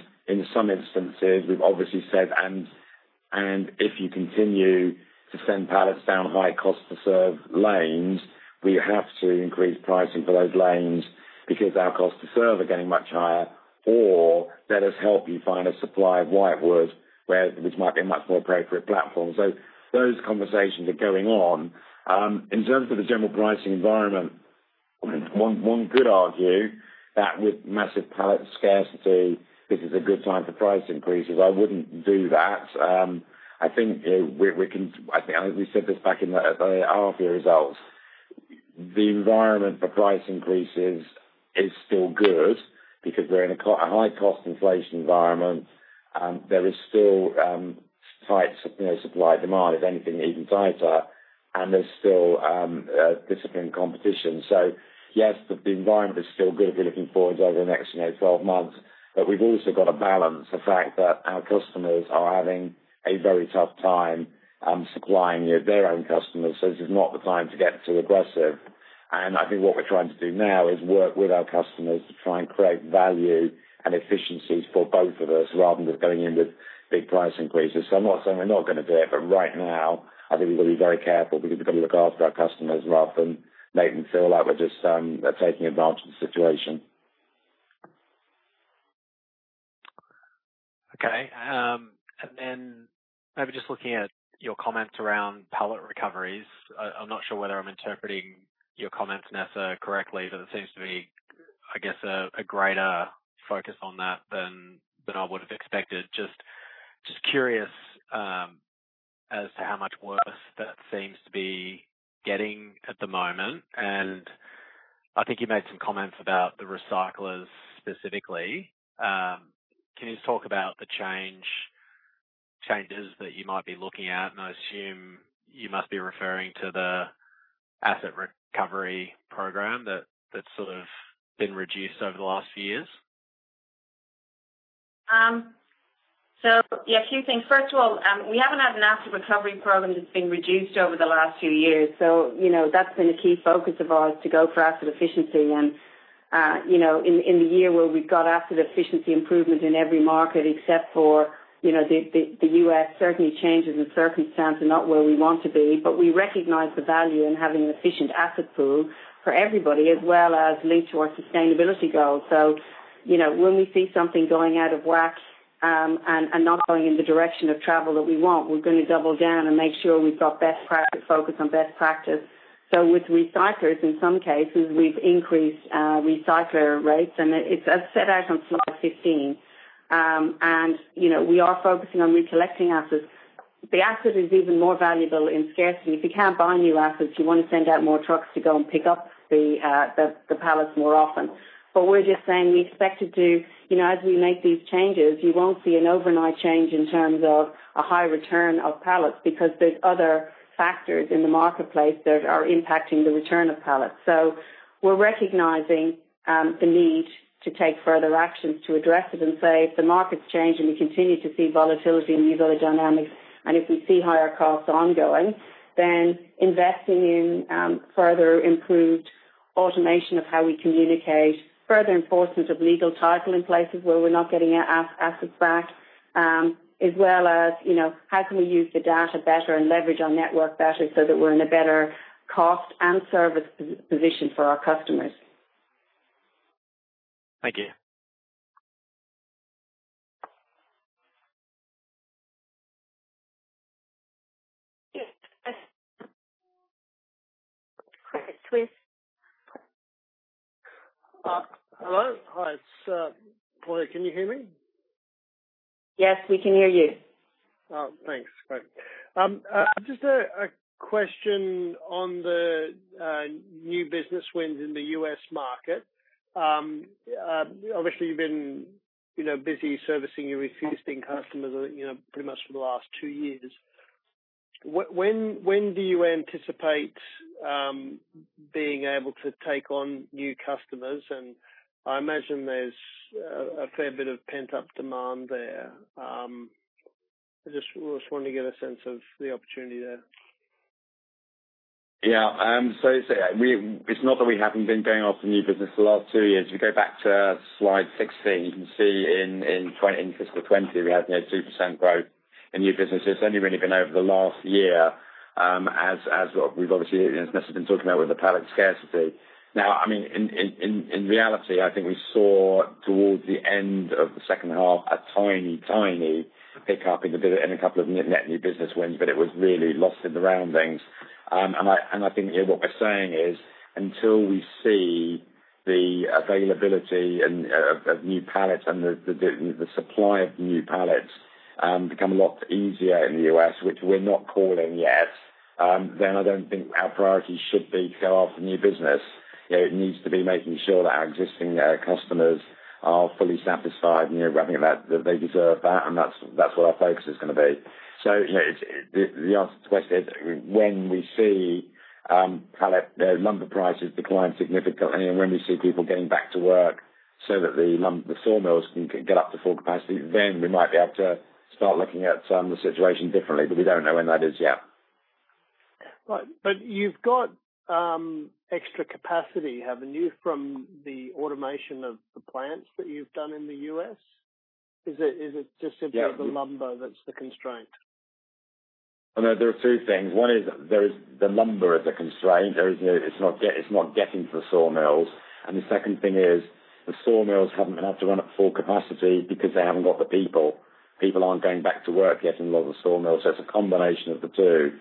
B: some instances, we've obviously said, and if you continue to send pallets down high cost to serve lanes, we have to increase pricing for those lanes. Because our cost to serve are getting much higher, or let us help you find a supply of whitewood, which might be a much more appropriate platform. Those conversations are going on. In terms of the general pricing environment, one could argue that with massive pallet scarcity, this is a good time for price increases. I wouldn't do that. I think we said this back in the H1 results. The environment for price increases is still good because we're in a high cost inflation environment. There is still tight supply, demand, if anything, even tighter, and there's still disciplined competition. Yes, the environment is still good if you're looking forward over the next 12 months. We've also got to balance the fact that our customers are having a very tough time supplying their own customers, so this is not the time to get too aggressive. I think what we're trying to do now is work with our customers to try and create value and efficiencies for both of us, rather than just going in with big price increases. I'm not saying we're not going to do it, but right now, I think we've got to be very careful because we've got to look after our customers rather than make them feel like we're just taking advantage of the situation.
E: Okay. Maybe just looking at your comments around pallet recoveries. I am not sure whether I am interpreting your comments, Nessa, correctly, but there seems to be, I guess, a greater focus on that than I would have expected. Just curious as to how much worse that seems to be getting at the moment. I think you made some comments about the recyclers specifically. Can you just talk about the changes that you might be looking at? I assume you must be referring to the asset recovery program that is sort of been reduced over the last few years.
C: Yeah, a few things. First of all, we haven't had an asset recovery program that's been reduced over the last few years. That's been a key focus of ours to go for asset efficiency and in the year where we've got asset efficiency improvement in every market except for the U.S., certainly changes and circumstance are not where we want to be. We recognize the value in having an efficient asset pool for everybody as well as linked to our sustainability goals. When we see something going out of whack and not going in the direction of travel that we want, we're going to double down and make sure we've got best practice, focus on best practice. With recyclers, in some cases, we've increased recycler rates and it's as set out on slide 15. We are focusing on recollecting assets. The asset is even more valuable in scarcity. If you can't buy new assets, you want to send out more trucks to go and pick up the pallets more often. We're just saying we expect as we make these changes, you won't see an overnight change in terms of a high return of pallets because there's other factors in the marketplace that are impacting the return of pallets. We're recognizing the need to take further actions to address it and say if the market's changing, we continue to see volatility and these other dynamics, and if we see higher costs ongoing, then investing in further improved automation of how we communicate, further enforcement of legal title in places where we're not getting our assets back, as well as how can we use the data better and leverage our network better so that we're in a better cost and service position for our customers.
E: Thank you.
A: Yes. Credit Suisse.
F: Hello? Hi, it's Paul. Can you hear me?
C: Yes, we can hear you.
F: Oh, thanks. Great. Just a question on the new business wins in the U.S. market. Obviously, you've been busy servicing your existing customers pretty much for the last two years. When do you anticipate being able to take on new customers? I imagine there's a fair bit of pent-up demand there. I just want to get a sense of the opportunity there.
B: It's not that we haven't been going after new business the last two years. If you go back to slide 16, you can see in fiscal 2020, we had 2% growth in new business. It's only really been over the last year as we've obviously, as Nessa has been talking about with the pallet scarcity. Now, in reality, I think we saw towards the end of the second half a tiny pickup in true net new business wins. It was really lost in the roundings. I think what we're saying is until we see the availability of new pallets and the supply of new pallets become a lot easier in the U.S., which we're not calling yet, I don't think our priority should be to go after new business. It needs to be making sure that our existing customers are fully satisfied. I think that they deserve that, and that's what our focus is going to be. The answer to the question is when we see lumber prices decline significantly and when we see people getting back to work so that the sawmills can get up to full capacity, then we might be able to start looking at the situation differently. We don't know when that is yet.
F: Right. You've got extra capacity, haven't you, from the automation of the plants that you've done in the U.S.? Is it just simply the lumber that's the constraint?
B: There are two things. One is there is the number as a constraint. It's not getting to the sawmills. The second thing is the sawmills haven't been able to run at full capacity because they haven't got the people. People aren't going back to work yet in a lot of the sawmills. It's a combination of the two.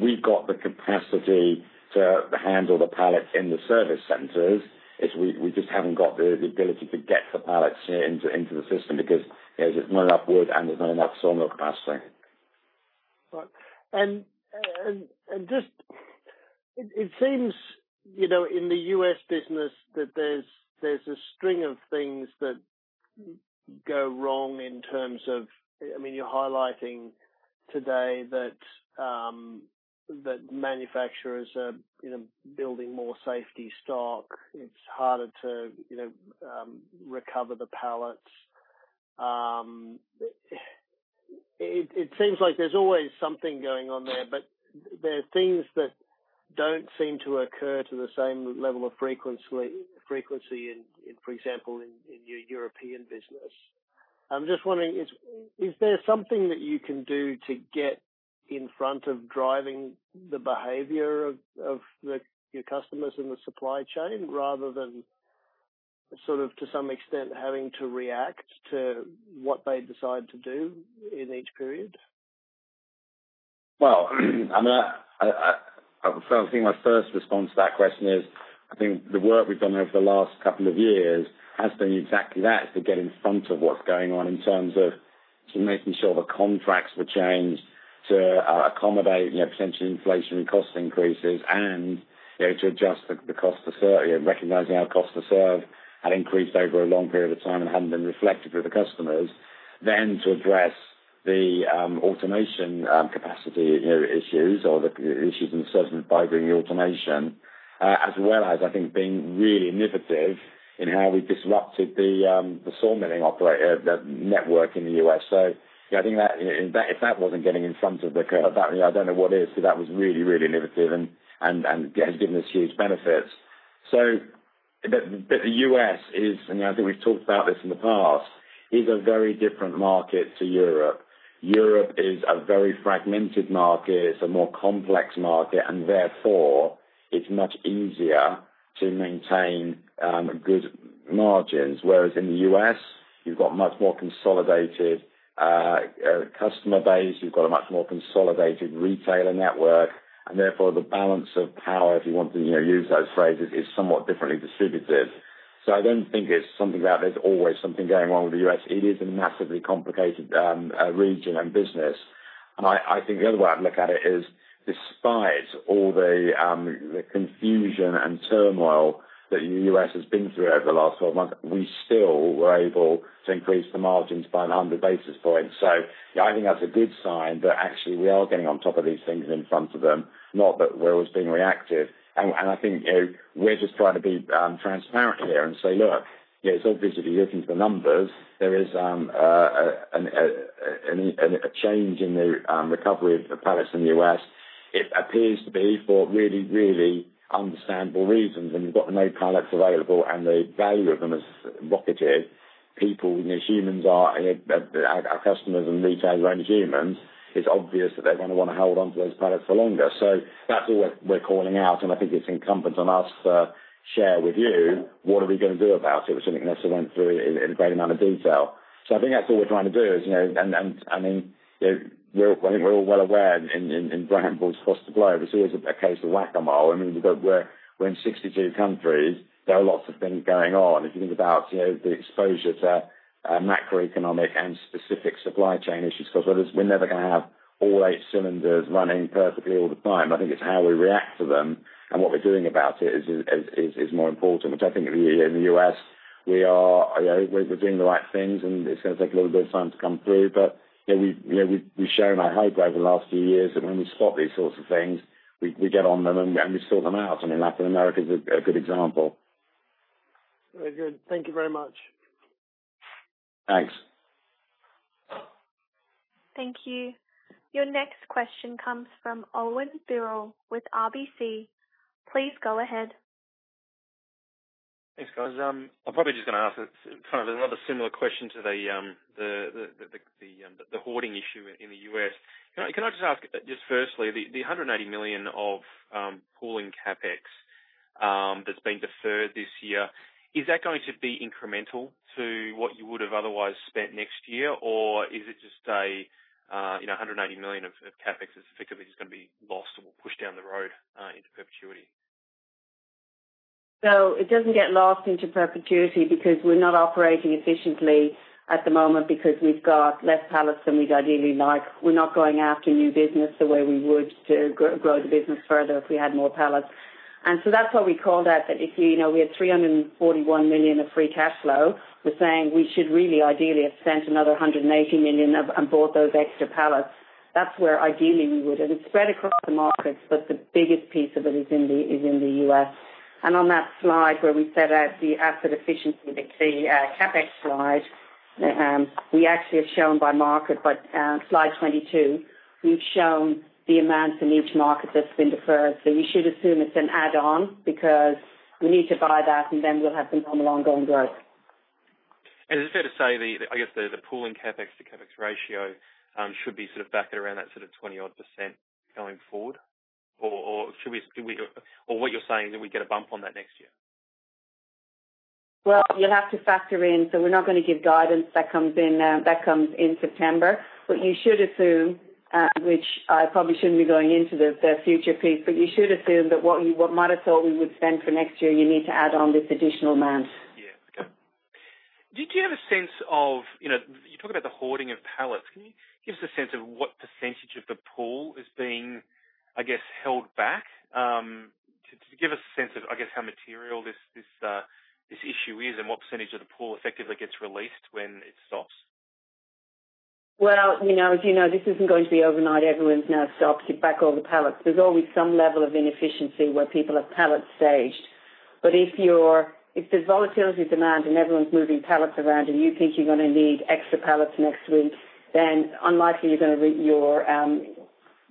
B: We've got the capacity to handle the pallets in the service centers. We just haven't got the ability to get the pallets into the system because there's just not enough wood and there's not enough sawmill capacity.
F: Right. It seems, in the U.S. business that there's a string of things that go wrong. You're highlighting today that manufacturers are building more safety stock. It's harder to recover the pallets. It seems like there's always something going on there, but there are things that don't seem to occur to the same level of frequency, for example, in your European business. I'm just wondering, is there something that you can do to get in front of driving the behavior of your customers in the supply chain, rather than to some extent, having to react to what they decide to do in each period?
B: I think my first response to that question is, I think the work we've done over the last couple of years has been exactly that. To get in front of what's going on in terms of making sure the contracts were changed to accommodate potential inflationary cost increases and to adjust the cost to recognizing our cost to serve had increased over a long period of time and hadn't been reflected with the customers. To address the automation capacity issues or the issues in the system by doing the automation, as well as I think being really innovative in how we disrupted the saw milling network in the U.S. I think if that wasn't getting in front of the curve, I don't know what is. That was really innovative and has given us huge benefits. The U.S. is, and I think we've talked about this in the past, is a very different market to Europe. Europe is a very fragmented market. It's a more complex market, and therefore it's much easier to maintain good margins. In the U.S., you've got much more consolidated customer base, you've got a much more consolidated retailer network, and therefore the balance of power, if you want to use those phrases, is somewhat differently distributed. I don't think it's something that there's always something going wrong with the U.S. It is a massively complicated region and business. I think the other way I'd look at it is despite all the confusion and turmoil that the U.S. has been through over the last 12 months, we still were able to increase the margins by 100 basis points. I think that's a good sign that actually we are getting on top of these things in front of them, not that we're always being reactive. I think we're just trying to be transparent here and say, look, it's obvious if you look into the numbers, there is a change in the recovery of the pallets in the U.S. It appears to be for really understandable reasons. When you've got no products available and the value of them has what it is, people, you know, humans are, our customers and retailers are humans, it's obvious that they're gonna wanna to hold onto those products for longer. That's all we're calling out, and I think it's incumbent on us to share with you what are we going to do about it, which Nessa went through in a great amount of detail. I think that's all we're trying to do is, I think we're all well aware in Brambles across the globe, this is a case of whack-a-mole. We're in 62 countries. There are lots of things going on. If you think about the exposure to macroeconomic and specific supply chain issues across others, we're never going to have all eight cylinders running perfectly all the time. I think it's how we react to them and what we're doing about it is more important, which I think in the U.S. we're doing the right things, and it's going to take a little bit of time to come through. We've shown, I hope, over the last few years that when we spot these sorts of things, we get on them, and we sort them out. I mean, Latin America is a good example.
F: Very good. Thank you very much.
B: Thanks.
A: Thank you. Your next question comes from Owen Birrell with RBC. Please go ahead.
G: Thanks, guys. I'm probably just going to ask kind of another similar question to the hoarding issue in the U.S. Can I just ask, just firstly, the $180 million of pooling CapEx that's been deferred this year, is that going to be incremental to what you would have otherwise spent next year? Is it just $180 million of CapEx is effectively just going to be lost or pushed down the road into perpetuity?
C: It doesn't get lost into perpetuity because we're not operating efficiently at the moment because we've got less pallets than we'd ideally like. We're not going after new business the way we would to grow the business further if we had more pallets. That's why we called out that if we had 341 million of free cash flow, we're saying we should really ideally have spent another 180 million and bought those extra pallets. That's where ideally we would, and it's spread across the markets, but the biggest piece of it is in the U.S. On that slide where we set out the asset efficiency, the CapEx slide, we actually have shown by market. Slide 22, we've shown the amount in each market that's been deferred. You should assume it's an add-on because we need to buy that, and then we'll have the normal ongoing growth.
G: Is it fair to say, I guess, the pool in CapEx to CapEx ratio should be sort of back around that sort of 20-odd% going forward? What you're saying is that we get a bump on that next year?
C: You'll have to factor in. We're not going to give guidance that comes in September. You should assume, which I probably shouldn't be going into the future piece, but you should assume that what might have thought we would spend for next year, you need to add on this additional amount.
G: Yeah. Okay. Do you have a sense of You talk about the hoarding of pallets. Can you give us a sense of what percentage of the pool is being, I guess, held back? Just give us a sense of, I guess, how material this issue is and what percentage of the pool effectively gets released when it stops?
C: As you know, this isn't going to be overnight, everyone's now stopped, give back all the pallets. There's always some level of inefficiency where people have pallets staged. If there's volatility demand and everyone's moving pallets around and you think you're going to need extra pallets next week, then unlikely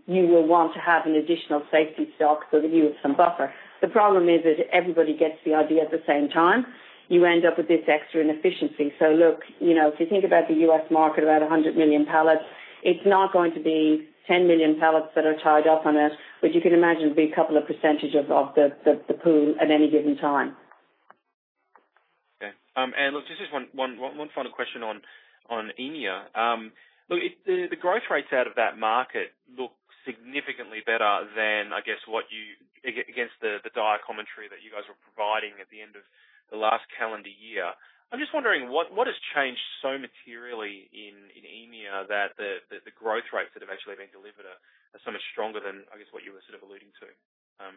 C: you will want to have an additional safety stock so that you have some buffer. The problem is that everybody gets the idea at the same time, you end up with this extra inefficiency. Look, if you think about the U.S. market, about 100 million pallets, it's not going to be 10 million pallets that are tied up on it, but you can imagine it'll be a couple of percentage of the pool at any given time.
G: Okay. Look, just one final question on EMEA. Look, the growth rates out of that market look significantly better than, I guess, against the dire commentary that you guys were providing at the end of the last calendar year. I'm just wondering, what has changed so materially in EMEA that the growth rates that have actually been delivered are so much stronger than, I guess, what you were sort of alluding to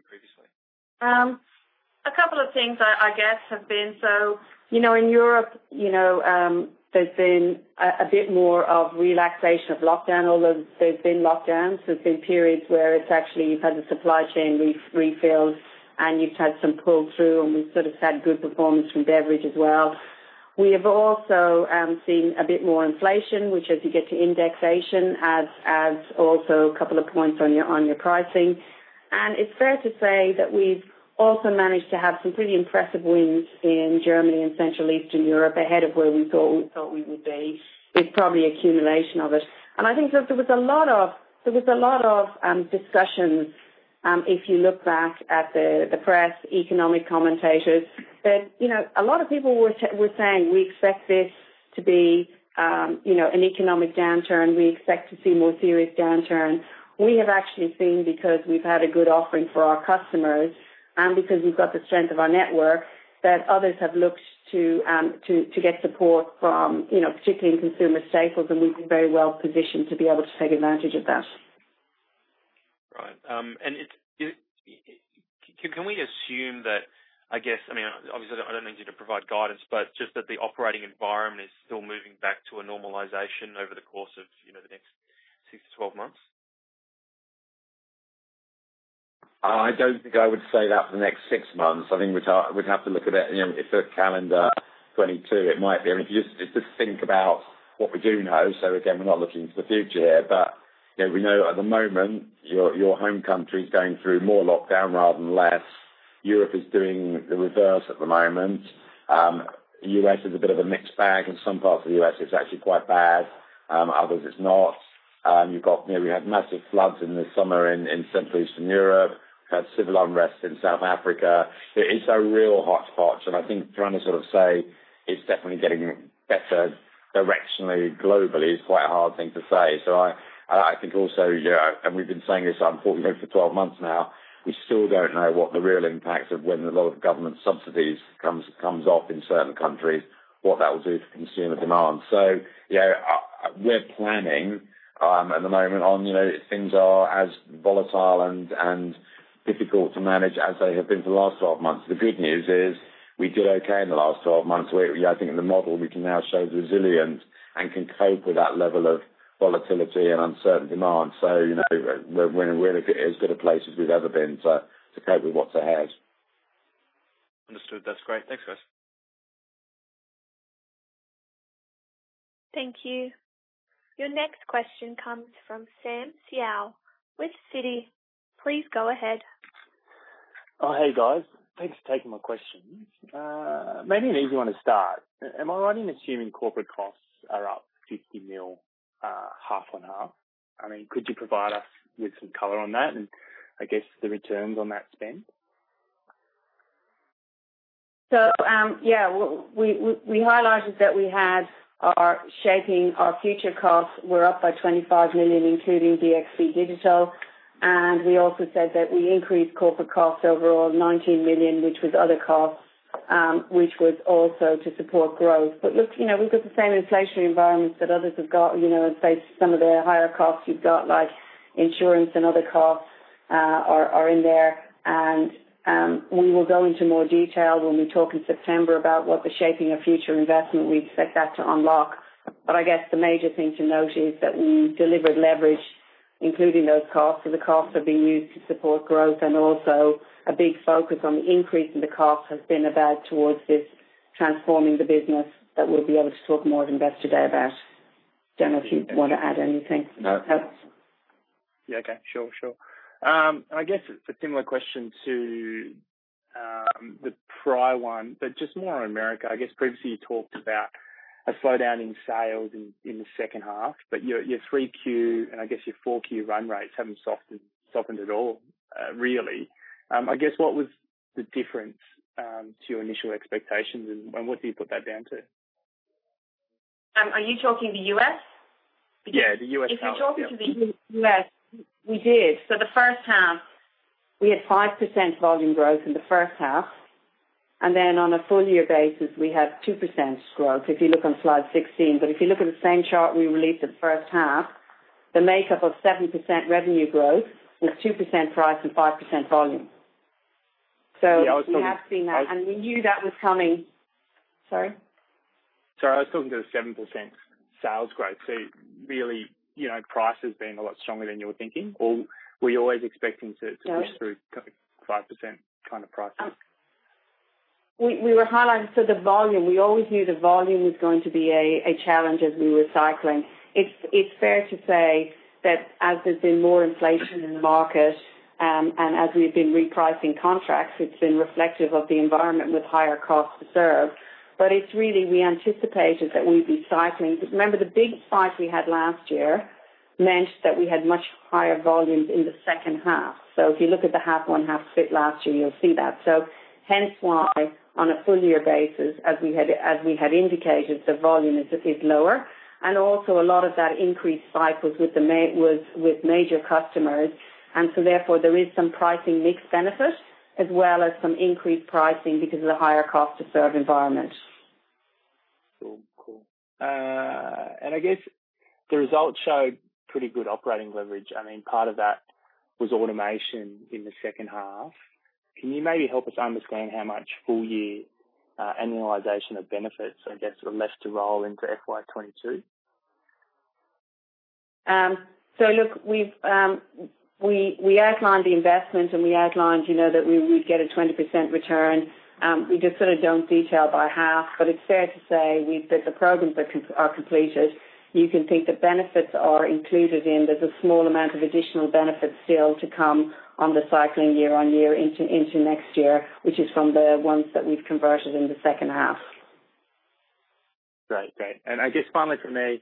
G: previously?
C: A couple of things, I guess, have been. In Europe, there's been a bit more of relaxation of lockdown, although there's been lockdowns. There's been periods where it's actually you've had the supply chain refills, and you've had some pull-through, and we've sort of had good performance from beverage as well. We have also seen a bit more inflation, which as you get to indexation, adds also a couple of points on your pricing. It's fair to say that we've also managed to have some pretty impressive wins in Germany and Central Eastern Europe ahead of where we thought we would be. It's probably accumulation of it. I think there was a lot of discussions, if you look back at the press, economic commentators, that a lot of people were saying, "We expect this to be an economic downturn. We expect to see more serious downturn. We have actually seen, because we've had a good offering for our customers and because we've got the strength of our network, that others have looked to get support from, particularly in consumer staples, and we've been very well positioned to be able to take advantage of that.
G: Right. Can we assume that, I guess, obviously, I don't need you to provide guidance, but just that the operating environment is still moving back to a normalization over the course of the next 6-12 months?
B: I don't think I would say that for the next six months. I think we'd have to look at it. If it's calendar 2022, it might be. If you just think about what we do know, so again, we're not looking to the future here, but we know at the moment, your home country is going through more lockdown rather than less. Europe is doing the reverse at the moment. U.S. is a bit of a mixed bag. In some parts of the U.S., it's actually quite bad. Others, it's not. You've got massive floods in the summer in Central Eastern Europe, had civil unrest in South Africa. It's a real hot spot, and I think trying to sort of say it's definitely getting better directionally, globally, is quite a hard thing to say. I think also, yeah, and we've been saying this unfortunately for 12 months now, we still don't know what the real impact of when the lot of government subsidies comes off in certain countries, what that will do for consumer demand. Yeah, we're planning at the moment on things are as volatile and difficult to manage as they have been for the last 12 months. The good news is we did okay in the last 12 months. I think in the model, we can now show resilience and can cope with that level of volatility and uncertain demand. We're in as good a place as we've ever been to cope with what's ahead.
G: Understood. That's great. Thanks, guys.
A: Thank you. Your next question comes from Samuel Seow with Citi. Please go ahead.
H: Oh, hey, guys. Thanks for taking my questions. Maybe an easy one to start. Am I right in assuming corporate costs are up 50 million half on half? Could you provide us with some color on that, and I guess the returns on that spend?
C: Yeah, we highlighted that we had our Shaping Our Future costs were up by $25 million, including BXB Digital. We also said that we increased corporate costs overall $19 million, which was other costs, which was also to support growth. Look, we've got the same inflationary environments that others have got. Say some of their higher costs you've got, like insurance and other costs are in there. We will go into more detail when we talk in September about what the Shaping Our Future investment we expect that to unlock. I guess the major thing to note is that we delivered leverage, including those costs. The costs are being used to support growth, and also a big focus on the increase in the cost has been about towards this transforming the business that we'll be able to talk more in depth today about. Don't know if you want to add anything.
B: No.
H: Yeah. Okay. Sure. I guess a similar question to the prior one. Just more on America. I guess previously you talked about a slowdown in sales in the second half. Your 3Q, and I guess your 4Q run rates haven't softened at all, really. I guess, what was the difference to your initial expectations, and what do you put that down to?
C: Are you talking the U.S.?
H: Yeah, the U.S.
C: You're talking to the U.S., we did. The first half, we had 5% volume growth in the first half, on a full year basis, we had 2% growth. You look on slide 16. You look at the same chart we released the first half, the makeup of 7% revenue growth was 2% price and 5% volume. We have seen that and we knew that was coming. Sorry?
H: Sorry, I was talking to the 7% sales growth. Really, price has been a lot stronger than you were thinking, or were you always expecting to push through 5% kind of pricing?
C: We were highlighting. The volume. We always knew the volume was going to be a challenge as we were cycling. It's fair to say that as there's been more inflation in the market, and as we've been repricing contracts, it's been reflective of the environment with higher costs to serve. It's really we anticipated that we'd be cycling. Remember, the big spike we had last year meant that we had much higher volumes in the second half. If you look at the half one, half split last year, you'll see that. Hence why, on a full year basis, as we had indicated, the volume is a bit lower. A lot of that increased spike was with major customers, and so therefore, there is some pricing mix benefit as well as some increased pricing because of the higher cost to serve environment.
H: Cool. I guess the results showed pretty good operating leverage. Part of that was automation in the second half. Can you maybe help us understand how much full year annualization of benefits are left to roll into FY 2022?
C: Look, we outlined the investment, and we outlined that we would get a 20% return. We just don't detail by half. It's fair to say that the programs are completed. You can think the benefits are included in. There's a small amount of additional benefit still to come on the cycling year-on-year into next year, which is from the ones that we've converted in the second half.
H: Great. I guess finally from me,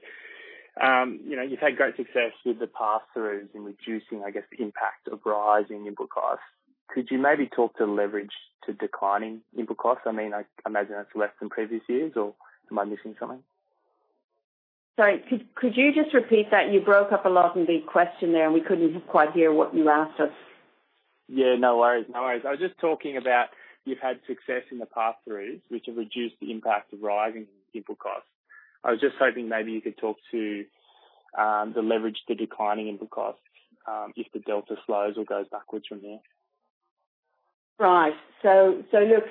H: you've had great success with the pass-throughs in reducing, I guess, the impact of rising input costs. Could you maybe talk to leverage to declining input costs? I imagine that's less than previous years, or am I missing something?
C: Sorry, could you just repeat that? You broke up a lot in the question there, and we couldn't quite hear what you asked us.
H: Yeah, no worries. I was just talking about you've had success in the pass-throughs, which have reduced the impact of rising input costs. I was just hoping maybe you could talk to the leverage to declining input costs, if the delta slows or goes backwards from there.
C: Right. Look,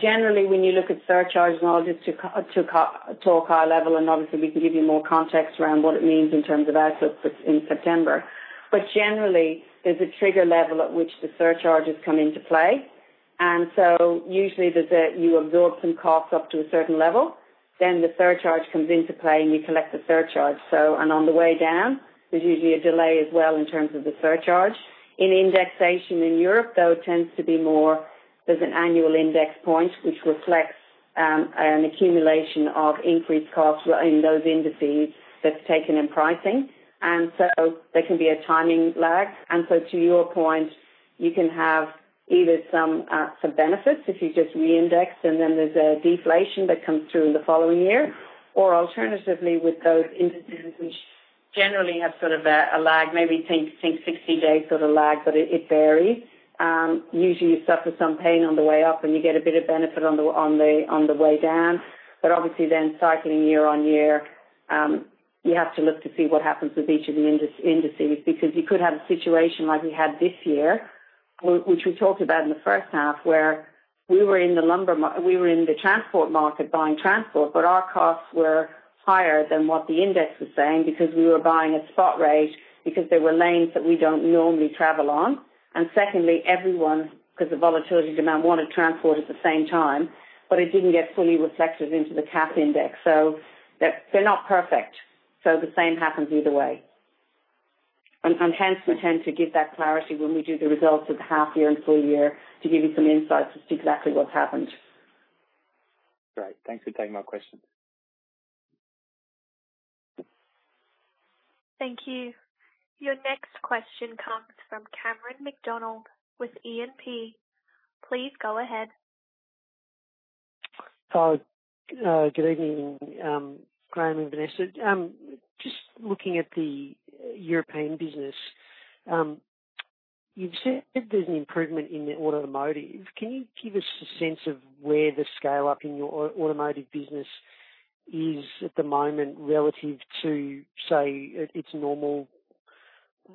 C: generally, when you look at surcharges, and I'll just talk high level, and obviously, we can give you more context around what it means in terms of outlook in September. Generally, there's a trigger level at which the surcharges come into play. Usually, you absorb some costs up to a certain level, then the surcharge comes into play, and you collect the surcharge. On the way down, there's usually a delay as well in terms of the surcharge. In indexation in Europe, though, it tends to be more there's an annual index point which reflects an accumulation of increased costs in those indices that's taken in pricing. There can be a timing lag. To your point, you can have either some benefits if you just re-index, and then there's a deflation that comes through in the following year. Alternatively, with those indices which generally have sort of a lag, maybe think 60-day sort of lag, but it varies. Usually, you suffer some pain on the way up and you get a bit of benefit on the way down. Obviously then cycling year-on-year, you have to look to see what happens with each of the indices. You could have a situation like we had this year, which we talked about in the first half, where we were in the transport market buying transport, but our costs were higher than what the index was saying because we were buying a spot rate because there were lanes that we don't normally travel on. Secondly, everyone, because of volatility demand, wanted transport at the same time, but it didn't get fully reflected into the CASS index. They're not perfect. The same happens either way. Hence we tend to give that clarity when we do the results of the half year and full year to give you some insights as to exactly what's happened.
H: Great. Thanks for taking my question.
A: Thank you. Your next question comes from Cameron McDonald with E&P. Please go ahead.
I: Good evening, Graham and Nessa. Just looking at the European business. You've said there's an improvement in the automotive. Can you give us a sense of where the scale-up in your automotive business is at the moment relative to, say, its normal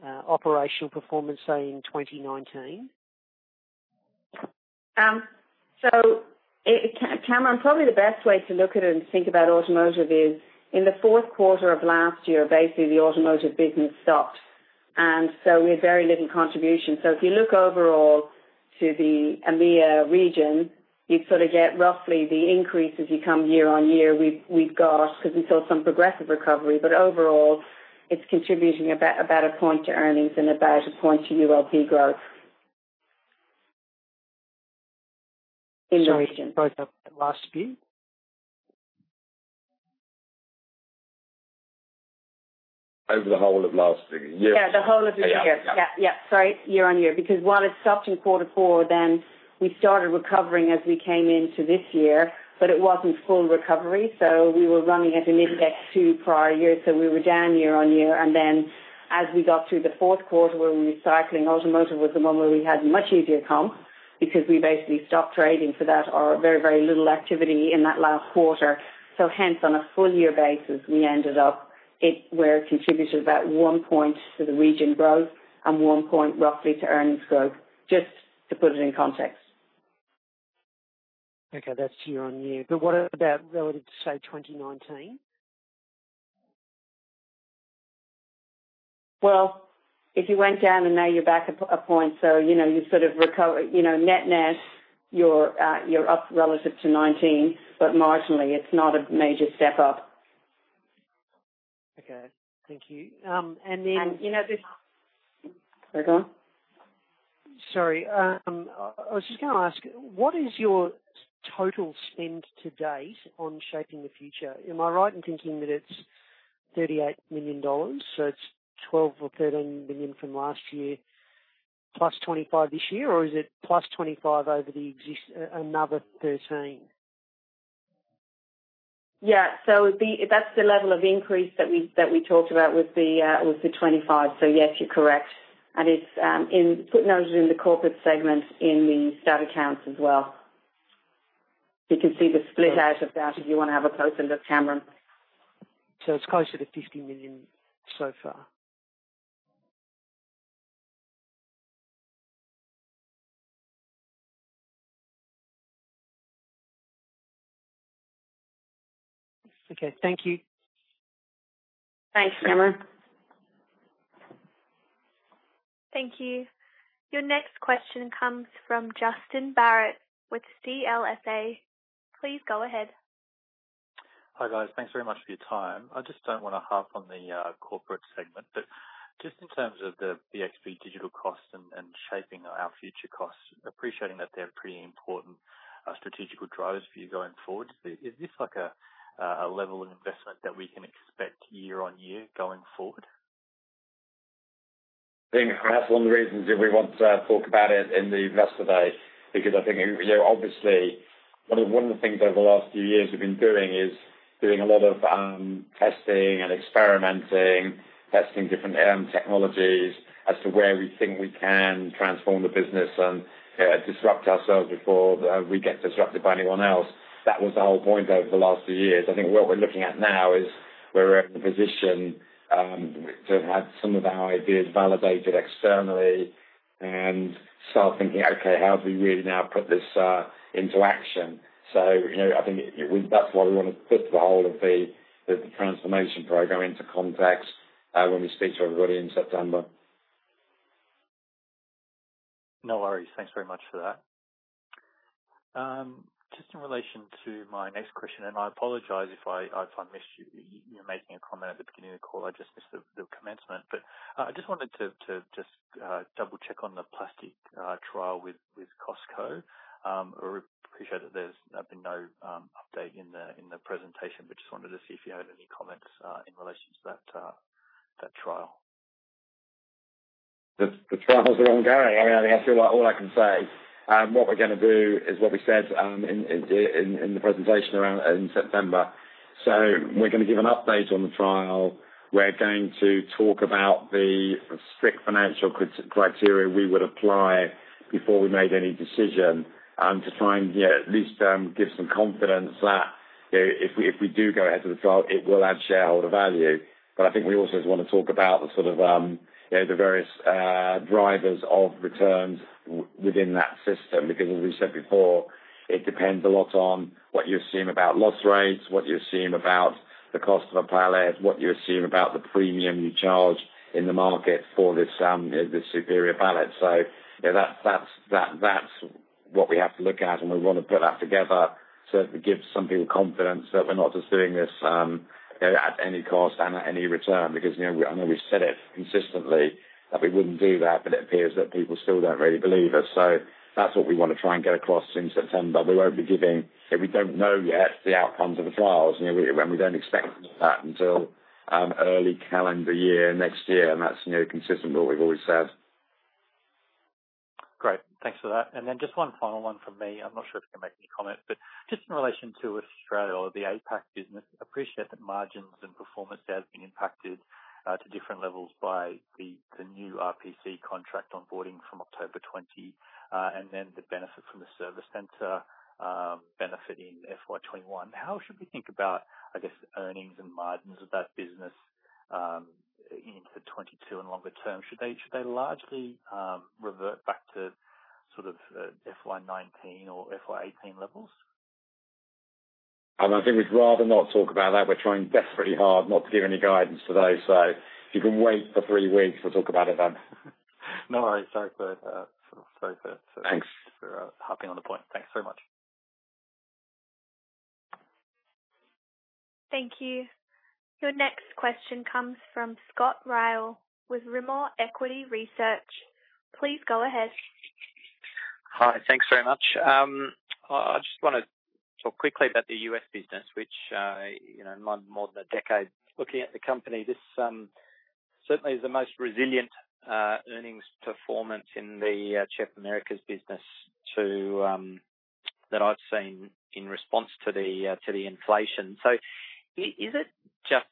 I: operational performance, say, in 2019?
C: Cameron, probably the best way to look at it and think about automotive is in the fourth quarter of last year, basically, the automotive business stopped. We had very little contribution. If you look overall to the EMEA region, you'd sort of get roughly the increase as you come year on year we've got, because we saw some progressive recovery. Overall, it's contributing about a point to earnings and about a point to ULP growth.
I: Sorry. Both of the last few?
B: Over the whole of last year.
C: Yeah, the whole of this year.
B: Yeah.
C: Yeah. Sorry, year-on-year. While it stopped in quarter four, then we started recovering as we came into this year, but it wasn't full recovery. We were running at an index to prior year, we were down year-on-year. As we got through the fourth quarter when we were cycling, automotive was the one where we had much easier comp because we basically stopped trading for that or very, very little activity in that last quarter. Hence, on a full year basis, we ended up it where it contributed about 1 point to the region growth and 1 point roughly to earnings growth, just to put it in context.
I: Okay, that's year-over-year. What about relative to, say, 2019?
C: Well, if you went down and now you're back 1 point, so you sort of recover. Net net, you're up relative to 2019, but marginally. It's not a major step up.
I: Okay. Thank you.
C: And this-
I: Go on. Sorry. I was just going to ask, what is your total spend to date on Shaping Our Future? Am I right in thinking that it's $38 million? It's $12 million or $13 million from last year plus $25 million this year, or is it plus $25 million over another $13 million?
C: Yeah. That's the level of increase that we talked about with the $25 million. Yes, you're correct. Footnote is in the corporate segment in the stat accounts as well. You can see the split out of that if you want to have a closer look, Cameron.
I: It's closer to $50 million so far. Okay. Thank you.
C: Thanks, Cameron.
A: Thank you. Your next question comes from Justin Barratt with CLSA. Please go ahead.
J: Hi, guys. Thanks very much for your time. I just don't want to harp on the corporate segment, just in terms of the BXB Digital costs and Shaping Our Future costs, appreciating that they're pretty important strategic drivers for you going forward. Is this like a level of investment that we can expect year on year going forward?
B: I think that's one of the reasons that we want to talk about it in the Investor Day, because I think obviously one of the things over the last few years we've been doing is doing a lot of testing and experimenting, testing different technologies as to where we think we can transform the business and disrupt ourselves before we get disrupted by anyone else. That was the whole point over the last few years. I think what we're looking at now is we're in the position to have had some of our ideas validated externally and start thinking, "Okay, how do we really now put this into action?" I think that's why we want to put the whole of the transformation program into context when we speak to everybody in September.
J: No worries. Thanks very much for that. Just in relation to my next question, and I apologize if I missed you making a comment at the beginning of the call, I just missed the commencement. I just wanted to just double check on the plastic trial with Costco. I appreciate that there's been no update in the presentation, but just wanted to see if you had any comments in relation to that trial.
B: The trial's ongoing. I feel like all I can say, what we're going to do is what we said in the presentation in September. We're going to give an update on the trial. We're going to talk about the strict financial criteria we would apply before we made any decision to try and at least give some confidence that if we do go ahead with the trial, it will add shareholder value. I think we also want to talk about the sort of various drivers of returns within that system, because as we said before, it depends a lot on what you assume about loss rates, what you assume about the cost of a pallet, what you assume about the premium you charge in the market for this superior pallet. That's what we have to look at, and we want to put that together so it gives some people confidence that we're not just doing this at any cost and at any return, because I know we've said it consistently that we wouldn't do that, but it appears that people still don't really believe us. That's what we want to try and get across in September. We don't know yet the outcomes of the trials, and we don't expect that until early calendar year next year, and that's consistent with what we've always said.
J: Great. Thanks for that. Just one final one from me. I'm not sure if you can make any comment, but just in relation to Australia or the APAC business, appreciate that margins and performance there has been impacted to different levels by the new RPC contract onboarding from October 2020, and then the benefit from the service center benefiting FY 2021. How should we think about, I guess, earnings and margins of that business into 2022 and longer term? Should they largely revert back to FY 2019 or FY 2018 levels?
B: I think we'd rather not talk about that. We're trying desperately hard not to give any guidance today. If you can wait for three weeks, we'll talk about it then.
J: No worries. Sorry for.
B: Thanks
J: for harping on the point. Thanks very much.
A: Thank you. Your next question comes from Scott Ryall with Rimor Equity Research. Please go ahead.
K: Hi. Thanks very much. I just want to talk quickly about the U.S. business, which in more than decade looking at the company, this certainly is the most resilient earnings performance in the CHEP Americas business that I've seen in response to the inflation. Is it just,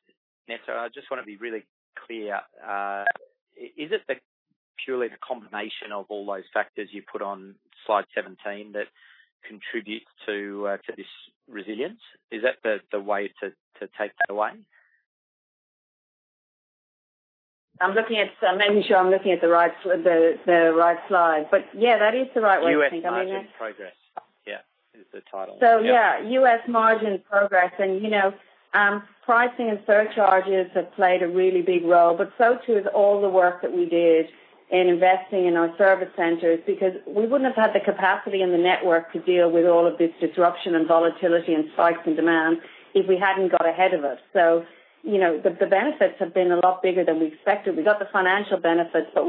K: Nessa, I just want to be really clear. Is it purely the combination of all those factors you put on slide 17 that contribute to this resilience? Is that the way to take that away?
C: I'm making sure I'm looking at the right slide. Yeah, that is the right way of thinking.
K: U.S. margin progress, yeah, is the title. Yeah.
C: Yeah, U.S. margin progress and pricing and surcharges have played a really big role, but so too has all the work that we did in investing in our service centers, because we wouldn't have had the capacity in the network to deal with all of this disruption and volatility and spikes in demand if we hadn't got ahead of it. The benefits have been a lot bigger than we expected. We got the financial benefits, but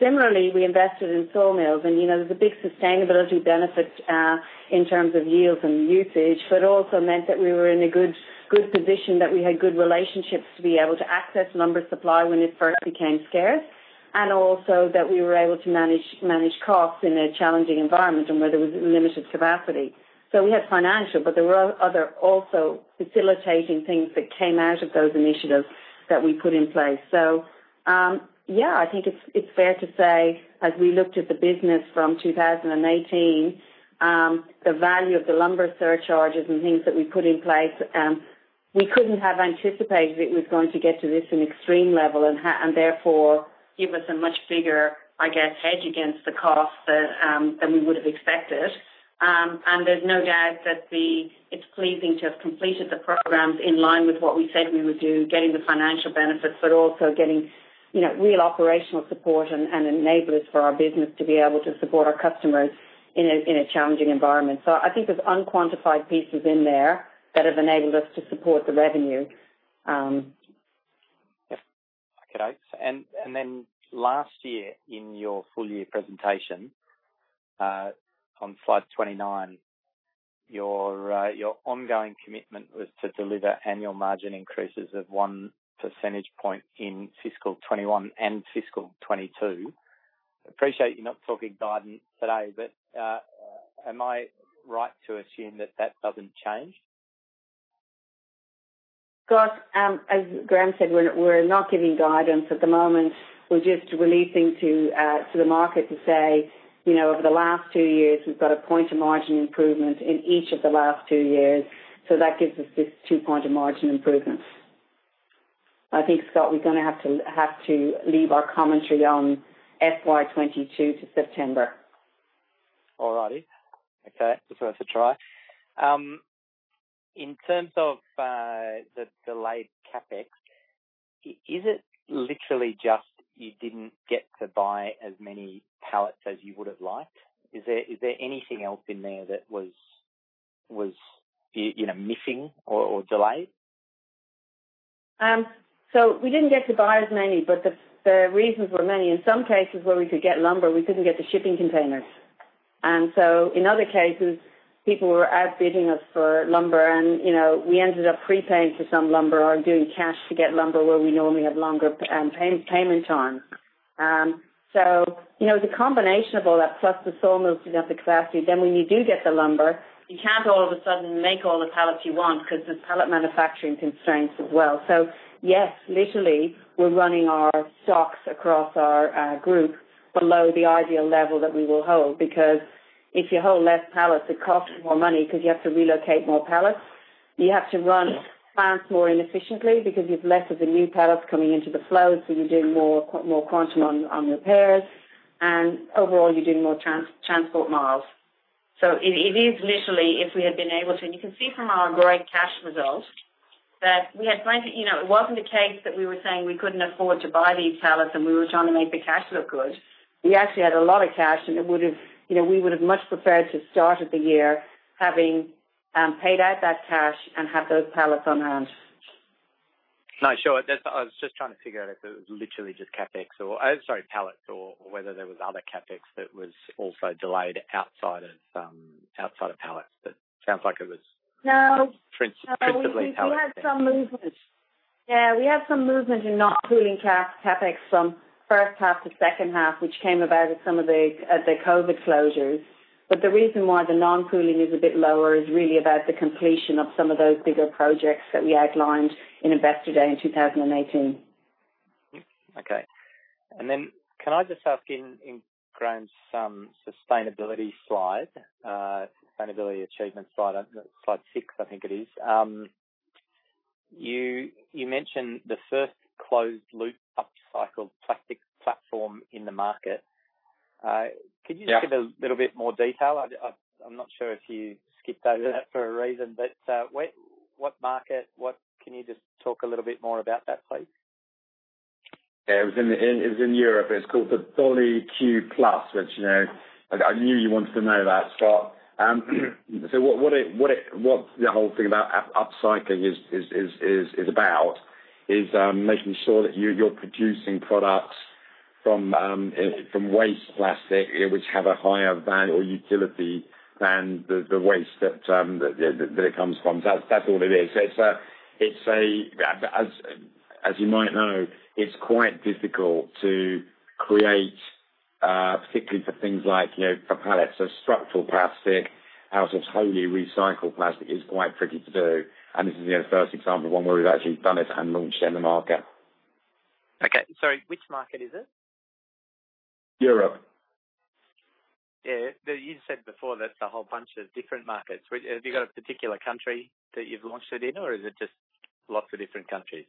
C: similarly, we invested in sawmills, and there's a big sustainability benefit, in terms of yields and usage, but also meant that we were in a good position, that we had good relationships to be able to access lumber supply when it first became scarce. Also that we were able to manage costs in a challenging environment and where there was limited capacity. We had financial, but there were other also facilitating things that came out of those initiatives that we put in place. Yeah, I think it's fair to say, as we looked at the business from 2018, the value of the lumber surcharges and things that we put in place, we couldn't have anticipated it was going to get to this, an extreme level, and therefore give us a much bigger, I guess, hedge against the cost than we would have expected. There's no doubt that it's pleasing to have completed the programs in line with what we said we would do, getting the financial benefits, but also getting real operational support and enablers for our business to be able to support our customers in a challenging environment. I think there's unquantified pieces in there that have enabled us to support the revenue.
K: Okay. Last year in your full year presentation, on slide 29, your ongoing commitment was to deliver annual margin increases of 1 percentage point in FY 2021 and FY 2022. I appreciate you're not talking guidance today, am I right to assume that that doesn't change?
C: Scott, as Graham said, we're not giving guidance at the moment. We're just releasing to the market to say, over the last two years, we've got 1 point of margin improvement in each of the last two years. That gives us this 2 point of margin improvement. I think, Scott, we're gonna have to leave our commentary on FY 2022 to September.
K: All righty. Okay. It's worth a try. In terms of the delayed CapEx, is it literally just you didn't get to buy as many pallets as you would've liked? Is there anything else in there that was missing or delayed?
C: We didn't get to buy as many, but the reasons were many. In some cases where we could get lumber, we couldn't get the shipping containers. In other cases, people were outbidding us for lumber, and we ended up prepaying for some lumber or doing cash to get lumber where we normally have longer payment terms. It's a combination of all that, plus the sawmills didn't have the capacity. When you do get the lumber, you can't all of a sudden make all the pallets you want because there's pallet manufacturing constraints as well. Yes, literally, we're running our stocks across our group below the ideal level that we will hold, because if you hold less pallets, it costs more money because you have to relocate more pallets. You have to run plants more inefficiently because you've less of the new pallets coming into the flow, so you're doing more quantum on repairs. Overall, you're doing more transport miles. You can see from our great cash results that we had plenty. It wasn't the case that we were saying we couldn't afford to buy these pallets and we were trying to make the cash look good. We actually had a lot of cash, and we would've much preferred to start at the year having paid out that cash and have those pallets on hand.
K: No, sure. I was just trying to figure out if it was literally just CapEx or, sorry, pallets, or whether there was other CapEx that was also delayed outside of pallets. Sounds like it was.
C: No
K: principally pallets then.
C: We had some movement. Yeah, we had some movement in not pooling CapEx from first half to second half, which came about at some of the COVID closures. The reason why the non-pooling is a bit lower is really about the completion of some of those bigger projects that we outlined in Investor Day in 2018.
K: Okay. Can I just ask in Graham's sustainability slide, sustainability achievement slide 6 I think it is, you mentioned the first closed-loop upcycled plastic platform in the market.
B: Yeah.
K: Could you just give a little bit more detail? I'm not sure if you skipped over that for a reason, but what market? Can you just talk a little bit more about that, please?
B: Yeah. It was in Europe. It's called the Bulle Q+, which I knew you wanted to know that, Scott. What the whole thing about upcycling is about is making sure that you're producing products from waste plastic which have a higher value or utility than the waste that it comes from. That's all it is. As you might know, it's quite difficult to create, particularly for things like pallets or structural plastic, out of wholly recycled plastic is quite tricky to do, and this is only the first example of one where we've actually done it and launched it in the market.
K: Okay. Sorry, which market is it?
B: Europe.
K: Yeah. You said before that it's a whole bunch of different markets. Have you got a particular country that you've launched it in, or is it just lots of different countries?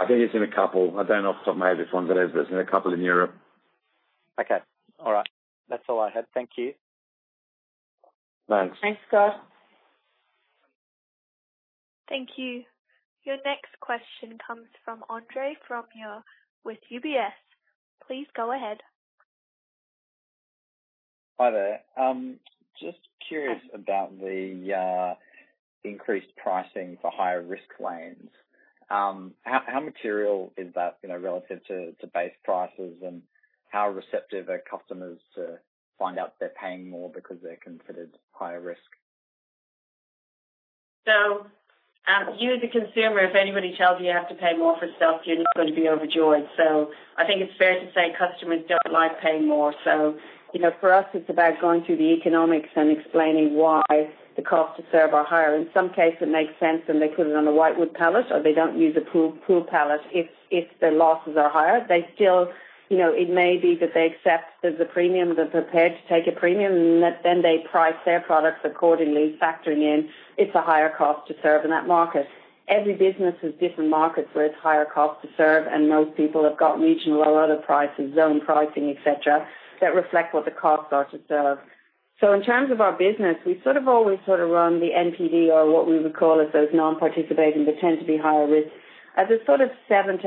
B: I think it's in a couple. I don't off the top of my head which ones it is, but it's in a couple in Europe.
K: Okay. All right. That's all I had. Thank you.
B: Thanks.
C: Thanks, Scott.
A: Thank you. Your next question comes from Andre Fromyhr with UBS. Please go ahead.
L: Hi there. Just curious about the increased pricing for higher-risk loans. How material is that relative to base prices, and how receptive are customers to find out they're paying more because they're considered higher risk?
C: You as a consumer, if anybody tells you you have to pay more for stuff, you're not going to be overjoyed. I think it's fair to say customers don't like paying more. For us, it's about going through the economics and explaining why the cost to serve are higher. In some case, it makes sense when they put it on a whitewood pallet, or they don't use a pool pallet if the losses are higher. It may be that they accept there's a premium. They're prepared to take a premium, and then they price their products accordingly, factoring in it's a higher cost to serve in that market. Every business has different markets where it's higher cost to serve, and most people have got regional allotted pricing, zone pricing, et cetera, that reflect what the costs are to serve. In terms of our business, we've sort of always run the NPD or what we would call as those non-participating, but tend to be higher risk, as a sort of 7%-8%.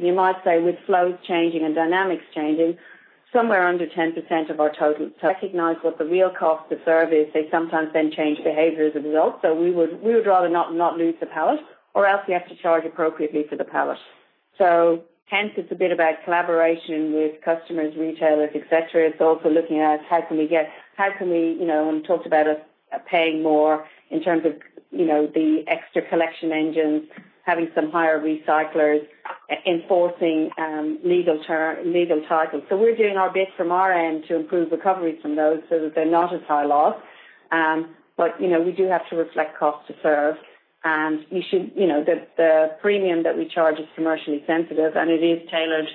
C: You might say with flows changing and dynamics changing, somewhere under 10% of our total. To recognize what the real cost to serve is, they sometimes then change behavior as a result. We would rather not lose the pallet or else you have to charge appropriately for the pallet. Hence, it's a bit about collaboration with customers, retailers, et cetera. It's also looking at how can we, when we talked about us paying more in terms of the extra collection agents, having some higher recyclers enforcing legal titles. We're doing our bit from our end to improve recovery from those so that they're not as high loss. We do have to reflect cost to serve, and the premium that we charge is commercially sensitive, and it is tailored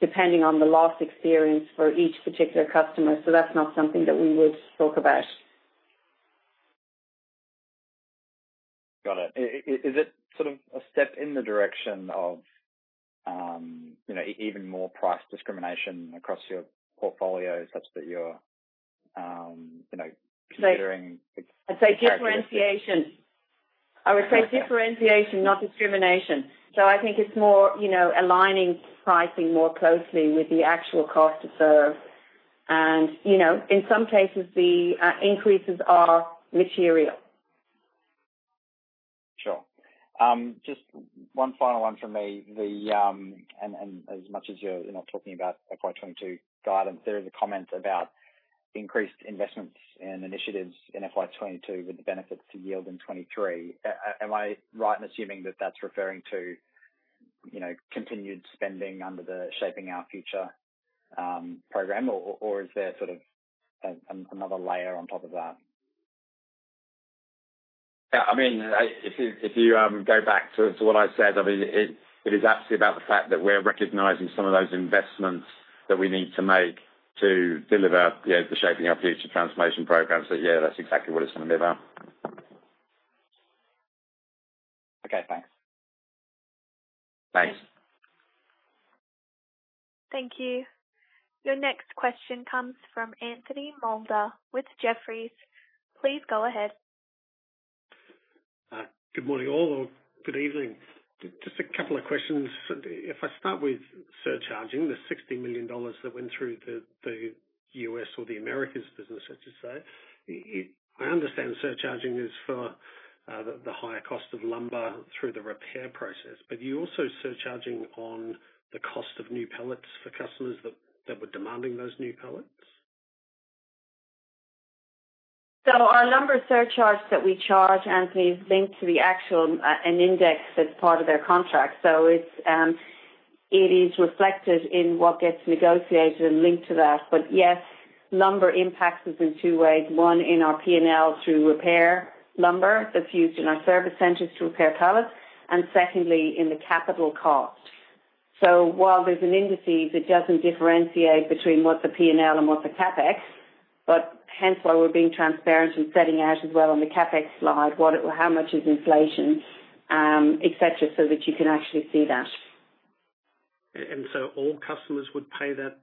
C: depending on the loss experience for each particular customer. That's not something that we would talk about.
L: Got it. Is it sort of a step in the direction of even more price discrimination across your portfolio such that you're considering?
C: I'd say differentiation. I would say differentiation, not discrimination. I think it's more aligning pricing more closely with the actual cost to serve and in some cases the increases are material.
L: Sure. Just one final one from me. As much as you're not talking about FY 2022 guidance, there is a comment about increased investments and initiatives in FY 2022 with the benefits to yield in 2023. Am I right in assuming that that's referring to continued spending under the Shaping Our Future program, or is there sort of another layer on top of that?
B: Yeah. If you go back to what I said, it is absolutely about the fact that we're recognizing some of those investments that we need to make to deliver the Shaping Our Future transformation program. Yeah, that's exactly what it's going to be about.
L: Okay, thanks.
B: Thanks.
A: Thank you. Your next question comes from Anthony Moulder with Jefferies. Please go ahead.
M: Good morning, all. Good evening. Just a couple of questions. If I start with surcharging, the $60 million that went through the U.S. or the Americas business, I should say. I understand surcharging is for the higher cost of lumber through the repair process, but are you also surcharging on the cost of new pallets for customers that were demanding those new pallets?
C: Our lumber surcharge that we charge, Anthony, is linked to an index that's part of their contract. It is reflected in what gets negotiated and linked to that. Yes, lumber impacts us in two ways. One, in our P&L through repair lumber that's used in our service centers to repair pallets, and secondly, in the capital cost. While there's an index, it doesn't differentiate between what the P&L and what the CapEx, hence why we're being transparent and setting out as well on the CapEx slide, how much is inflation, etc., so that you can actually see that.
M: All customers would pay the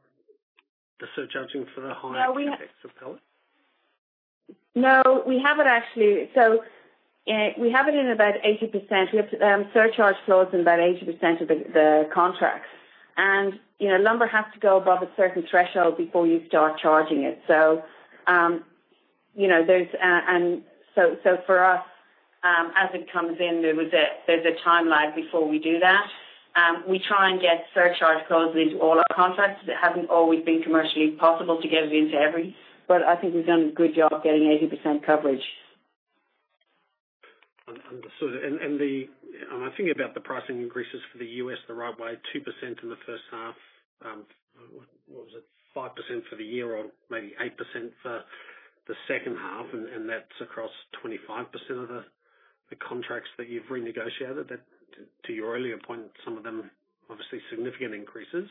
M: surcharging for the.
C: No.
M: CapEx of pallet?
C: No, we have it in about 80%. We have surcharge clause in about 80% of the contracts. Lumber has to go above a certain threshold before you start charging it. For us, as it comes in, there's a timeline before we do that. We try and get surcharge clauses into all our contracts. It hasn't always been commercially possible to get it into every But I think we've done a good job getting 80% coverage.
M: Understood. I think about the pricing increases for the U.S. the right way, 2% in the first half. What was it? 5% for the year or maybe 8% for the second half, and that's across 25% of the contracts that you've renegotiated. To your earlier point, some of them, obviously significant increases.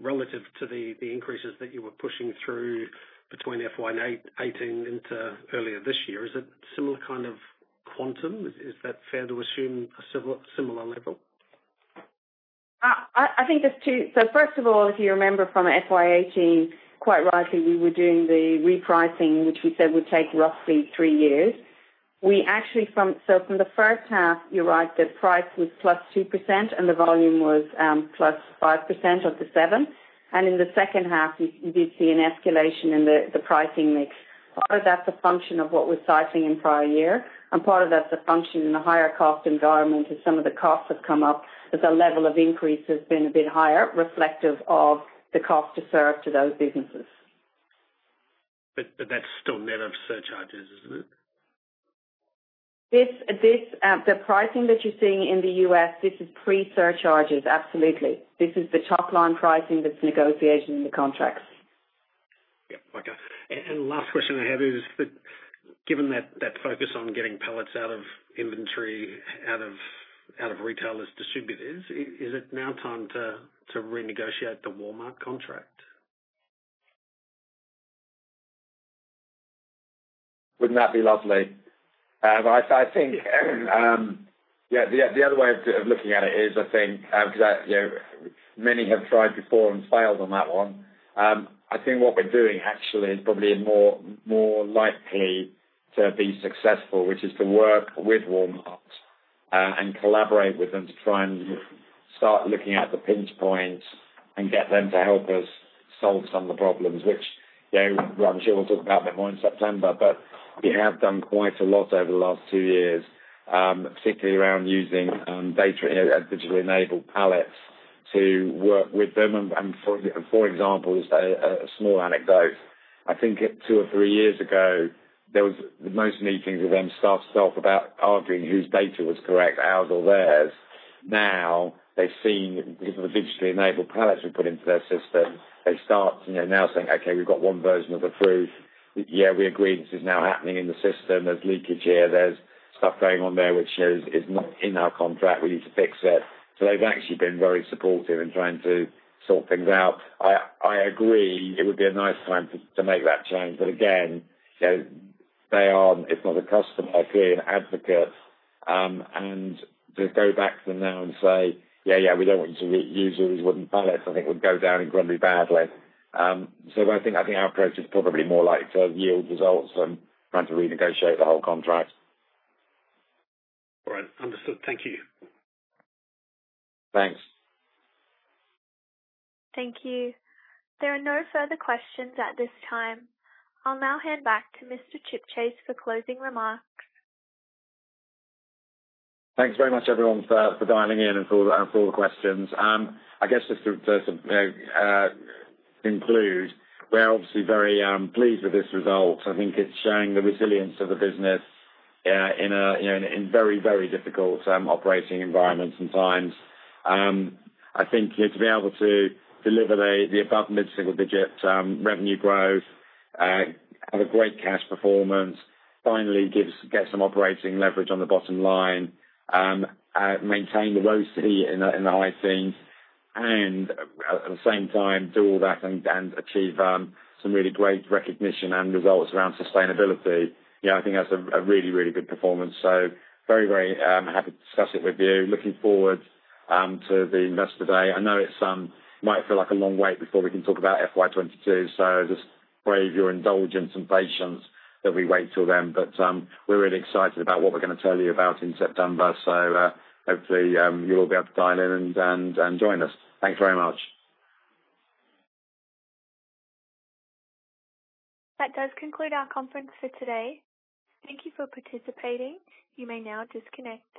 M: Relative to the increases that you were pushing through between FY 2018 into earlier this year, is it similar kind of quantum? Is that fair to assume a similar level?
C: I think there's two. First of all, if you remember from FY 2018, quite rightly, we were doing the repricing, which we said would take roughly three years. From the first half, you're right, the price was +2% and the volume was +5% of the 7%. In the second half, you did see an escalation in the pricing mix. Part of that's a function of what we're cycling in prior year, and part of that's a function in the higher cost environment as some of the costs have come up, as the level of increase has been a bit higher, reflective of the cost to serve to those businesses.
M: That's still net of surcharges, isn't it?
C: The pricing that you're seeing in the U.S., this is pre-surcharges. Absolutely. This is the top-line pricing that's negotiated in the contracts.
M: Yep. Okay. Last question I have is that given that focus on getting pallets out of inventory, out of retailers, distributors, is it now time to renegotiate the Walmart contract?
B: Wouldn't that be lovely? I think the other way of looking at it is, I think, because many have tried before and failed on that one. I think what we're doing actually is probably more likely to be successful, which is to work with Walmart, and collaborate with them to try and start looking at the pinch points and get them to help us solve some of the problems which I'm sure we'll talk about a bit more in September. We have done quite a lot over the last two years, particularly around using data in digitally enabled pallets to work with them. For example, a small anecdote, I think two or three years ago, there was most meetings with them start off about arguing whose data was correct, ours or theirs. They've seen, because of the digitally enabled pallets we put into their system, they start now saying, "Okay, we've got one version of the truth. Yeah, we agree this is now happening in the system. There's leakage here. There's stuff going on there which is not in our contract. We need to fix it." They've actually been very supportive in trying to sort things out. I agree it would be a nice time to make that change. Again, they are if not a customer, clearly an advocate, and to go back to them now and say, "Yeah, we don't want you to use these wooden pallets," I think would go down incredibly badly. I think our approach is probably more likely to yield results than trying to renegotiate the whole contract.
M: All right. Understood. Thank you.
B: Thanks.
A: Thank you. There are no further questions at this time. I'll now hand back to Mr. Chipchase for closing remarks.
B: Thanks very much, everyone, for dialing in and for all the questions. Just to conclude, we're obviously very pleased with this result. It's showing the resilience of the business, in very difficult operating environments and times. To be able to deliver the above mid-single-digit revenue growth, have a great cash performance, finally get some operating leverage on the bottom line, maintain the ROCE in the high teens, and at the same time do all that and achieve some really great recognition and results around sustainability. That's a really good performance. Very happy to discuss it with you. Looking forward to the Investor Day. It might feel like a long wait before we can talk about FY 2022, so just brave your indulgence and patience that we wait till then. We're really excited about what we're going to tell you about in September. Hopefully, you'll all be able to dial in and join us. Thanks very much.
A: That does conclude our conference for today. Thank you for participating. You may now disconnect.